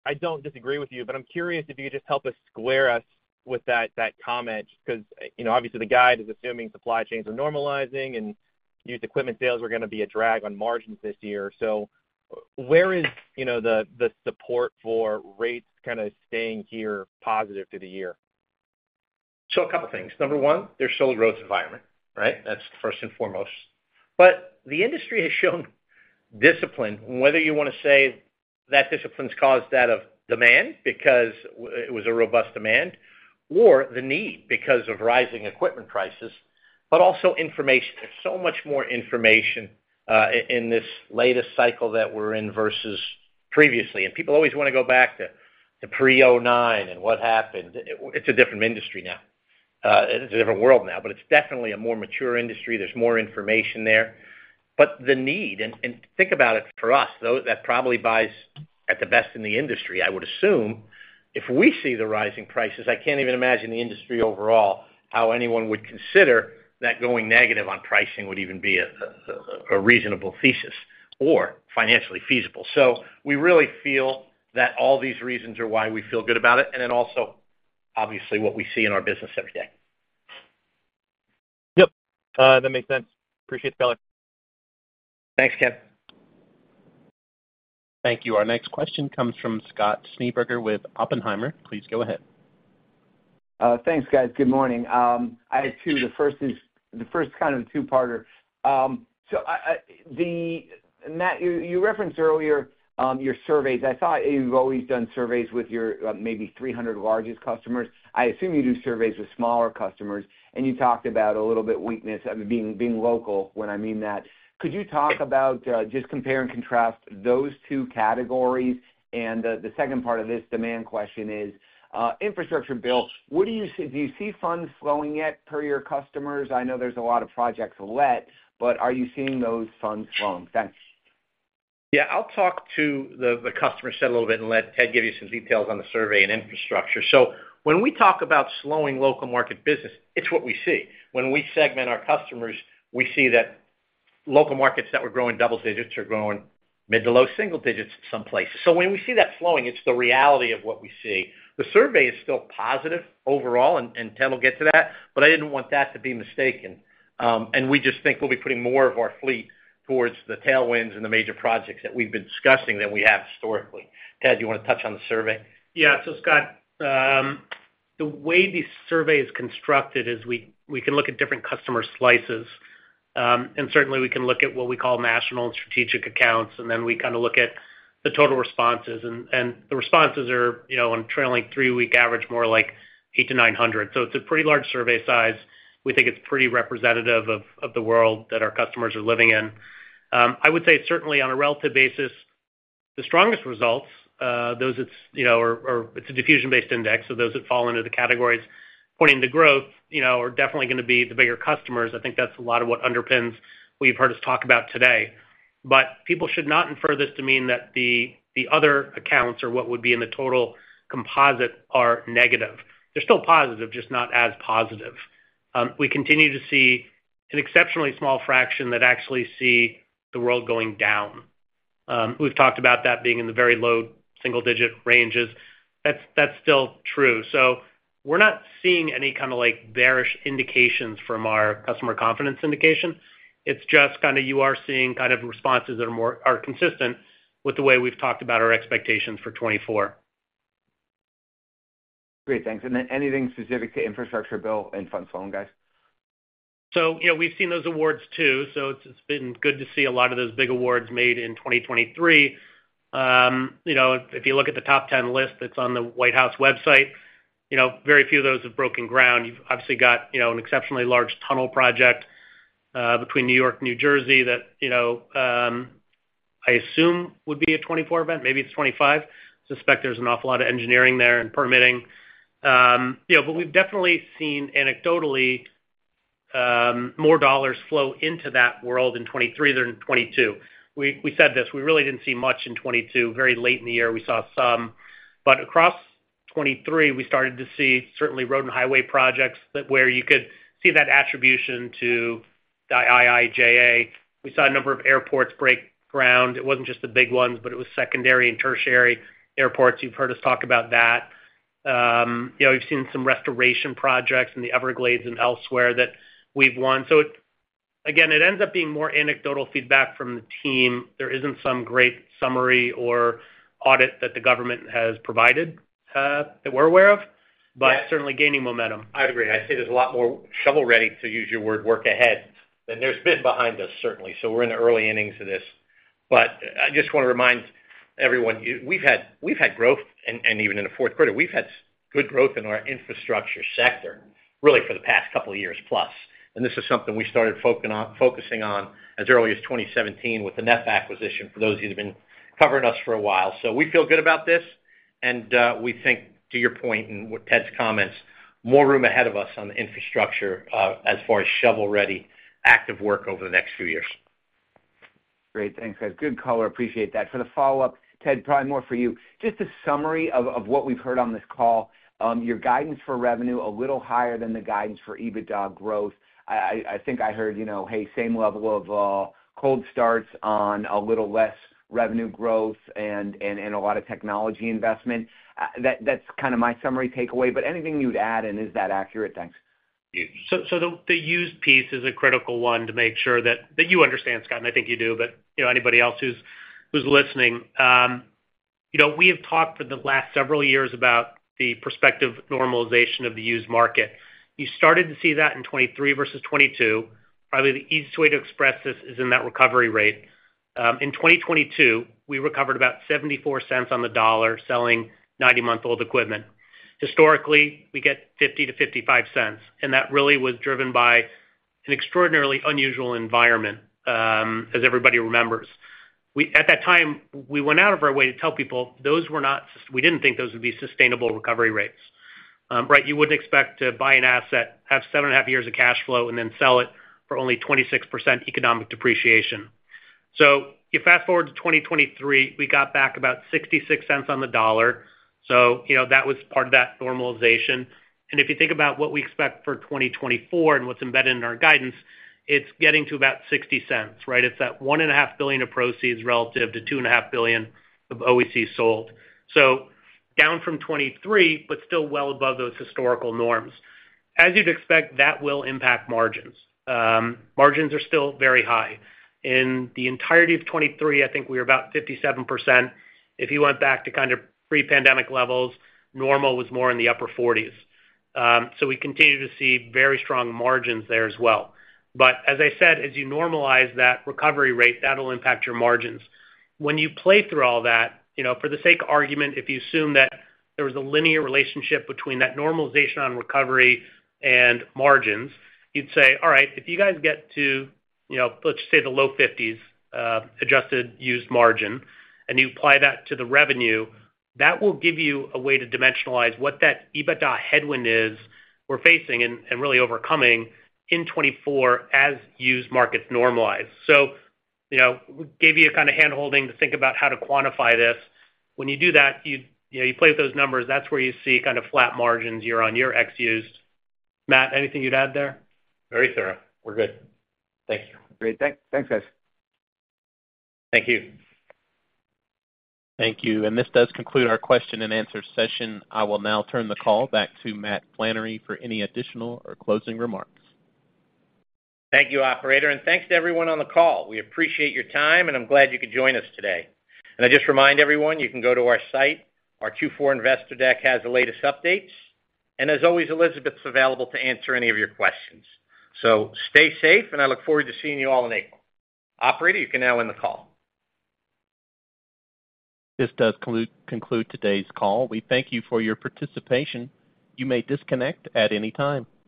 I don't disagree with you, but I'm curious if you could just help us square us with that, that comment, 'cause, you know, obviously, the guide is assuming supply chains are normalizing and used equipment sales are gonna be a drag on margins this year. So where is, you know, the, the support for rates kinda staying here positive through the year? So a couple things. Number one, they're still a growth environment, right? That's first and foremost. But the industry has shown discipline, whether you wanna say that discipline's caused that of demand because it was a robust demand, or the need because of rising equipment prices, but also information. There's so much more information in this latest cycle that we're in versus previously. And people always wanna go back to pre-2009 and what happened. It's a different industry now. It's a different world now, but it's definitely a more mature industry. There's more information there. But the need, and think about it for us, though, that probably buys at the best in the industry, I would assume. If we see the rising prices, I can't even imagine the industry overall, how anyone would consider that going negative on pricing would even be a reasonable thesis or financially feasible. So we really feel that all these reasons are why we feel good about it, and then also, obviously, what we see in our business every day. Yep, that makes sense. Appreciate the clarity. Thanks, Ken. Thank you. Our next question comes from Scott Schneeberger with Oppenheimer. Please go ahead. Thanks, guys. Good morning. I have two. The first is a two-parter. Matt, you referenced earlier your surveys. I thought you've always done surveys with your maybe 300 largest customers. I assume you do surveys with smaller customers, and you talked about a little bit weakness and being local, what I mean by that. Could you talk about just compare and contrast those two categories? And the second part of this demand question is infrastructure bill. What do you see—do you see funds slowing yet per your customers? I know there's a lot of projects left, but are you seeing those funds slowing? Thanks. Yeah, I'll talk to the customer set a little bit and let Ted give you some details on the survey and infrastructure. So when we talk about slowing local market business, it's what we see. When we segment our customers, we see that local markets that were growing double digits are growing mid to low single digits someplace. So when we see that slowing, it's the reality of what we see. The survey is still positive overall, and Ted will get to that, but I didn't want that to be mistaken. And we just think we'll be putting more of our fleet towards the tailwinds and the major projects that we've been discussing than we have historically. Ted, do you wanna touch on the survey? Yeah. So, Scott, the way the survey is constructed is we can look at different customer slices. And certainly, we can look at what we call national and strategic accounts, and then we kinda look at the total responses. And the responses are, you know, on a trailing three-week average, more like 800-900. So it's a pretty large survey size. We think it's pretty representative of the world that our customers are living in. I would say certainly on a relative basis, the strongest results, those, you know, or it's a diffusion-based index, so those that fall under the categories pointing to growth, you know, are definitely gonna be the bigger customers. I think that's a lot of what underpins what you've heard us talk about today. People should not infer this to mean that the other accounts or what would be in the total composite are negative. They're still positive, just not as positive. We continue to see an exceptionally small fraction that actually see the world going down. We've talked about that being in the very low single-digit ranges. That's still true. So we're not seeing any kinda like bearish indications from our customer confidence indication. It's just kinda you are seeing kind of responses that are more consistent with the way we've talked about our expectations for 2024. Great, thanks. And then anything specific to infrastructure bill and funds flowing, guys? So, you know, we've seen those awards, too, so it's been good to see a lot of those big awards made in 2023. You know, if you look at the top ten list that's on the White House website, you know, very few of those have broken ground. You've obviously got, you know, an exceptionally large tunnel project between New York and New Jersey that, you know, I assume would be a 2024 event. Maybe it's 2025. Suspect there's an awful lot of engineering there and permitting. Yeah, but we've definitely seen anecdotally more dollars flow into that world in 2023 than in 2022. We said this, we really didn't see much in 2022. Very late in the year, we saw some. But across 2023, we started to see certainly road and highway projects that, where you could see that attribution to the IIJA. We saw a number of airports break ground. It wasn't just the big ones, but it was secondary and tertiary airports. You've heard us talk about that. You know, we've seen some restoration projects in the Everglades and elsewhere that we've won. So again, it ends up being more anecdotal feedback from the team. There isn't some great summary or audit that the government has provided, that we're aware of- Yeah. but certainly gaining momentum. I'd agree. I'd say there's a lot more shovel-ready, to use your word, work ahead than there's been behind us, certainly. So we're in the early innings of this. But I just wanna remind everyone, we've had growth, and even in the fourth quarter, we've had good growth in our infrastructure sector... really for the past couple of years plus, and this is something we started focusing on as early as 2017 with the Neff acquisition, for those of you who've been covering us for a while. So we feel good about this, and we think to your point and with Ted's comments, more room ahead of us on the infrastructure, as far as shovel-ready, active work over the next few years. Great. Thanks, guys. Good color. Appreciate that. For the follow-up, Ted, probably more for you. Just a summary of what we've heard on this call, your guidance for revenue, a little higher than the guidance for EBITDA growth. I think I heard, you know, hey, same level of cold starts on a little less revenue growth and a lot of technology investment. That's kind of my summary takeaway, but anything you'd add, and is that accurate? Thanks. So the used piece is a critical one to make sure that you understand, Scott, and I think you do, but you know, anybody else who's listening. You know, we have talked for the last several years about the prospective normalization of the used market. You started to see that in 2023 versus 2022. Probably the easiest way to express this is in that recovery rate. In 2022, we recovered about 74 cents on the dollar, selling 90-month-old equipment. Historically, we get 50-55 cents, and that really was driven by an extraordinarily unusual environment, as everybody remembers. At that time, we went out of our way to tell people those were not, we didn't think those would be sustainable recovery rates. Right, you wouldn't expect to buy an asset, have 7.5 years of cash flow, and then sell it for only 26% economic depreciation. So you fast forward to 2023, we got back about 66 cents on the dollar. So, you know, that was part of that normalization. And if you think about what we expect for 2024 and what's embedded in our guidance, it's getting to about 60 cents, right? It's that $1.5 billion of proceeds relative to $2.5 billion of OEC sold. So down from 2023, but still well above those historical norms. As you'd expect, that will impact margins. Margins are still very high. In the entirety of 2023, I think we were about 57%. If you went back to kind of pre-pandemic levels, normal was more in the upper 40s. So we continue to see very strong margins there as well. But as I said, as you normalize that recovery rate, that'll impact your margins. When you play through all that, you know, for the sake of argument, if you assume that there was a linear relationship between that normalization on recovery and margins, you'd say, "All right, if you guys get to, you know, let's say, the low 50s adjusted used margin, and you apply that to the revenue, that will give you a way to dimensionalize what that EBITDA headwind is we're facing and really overcoming in 2024 as used markets normalize." So, you know, we gave you a kind of handholding to think about how to quantify this. When you do that, you know, you play with those numbers, that's where you see kind of flat margins year-on-year ex used. Matt, anything you'd add there? Very thorough. We're good. Thank you. Great. Thanks. Thanks, guys. Thank you. Thank you. This does conclude our question and answer session. I will now turn the call back to Matt Flannery for any additional or closing remarks. Thank you, operator, and thanks to everyone on the call. We appreciate your time, and I'm glad you could join us today. And I just remind everyone, you can go to our site. Our Q4 investor deck has the latest updates, and as always, Elizabeth's available to answer any of your questions. So stay safe, and I look forward to seeing you all in April. Operator, you can now end the call. This does conclude today's call. We thank you for your participation. You may disconnect at any time.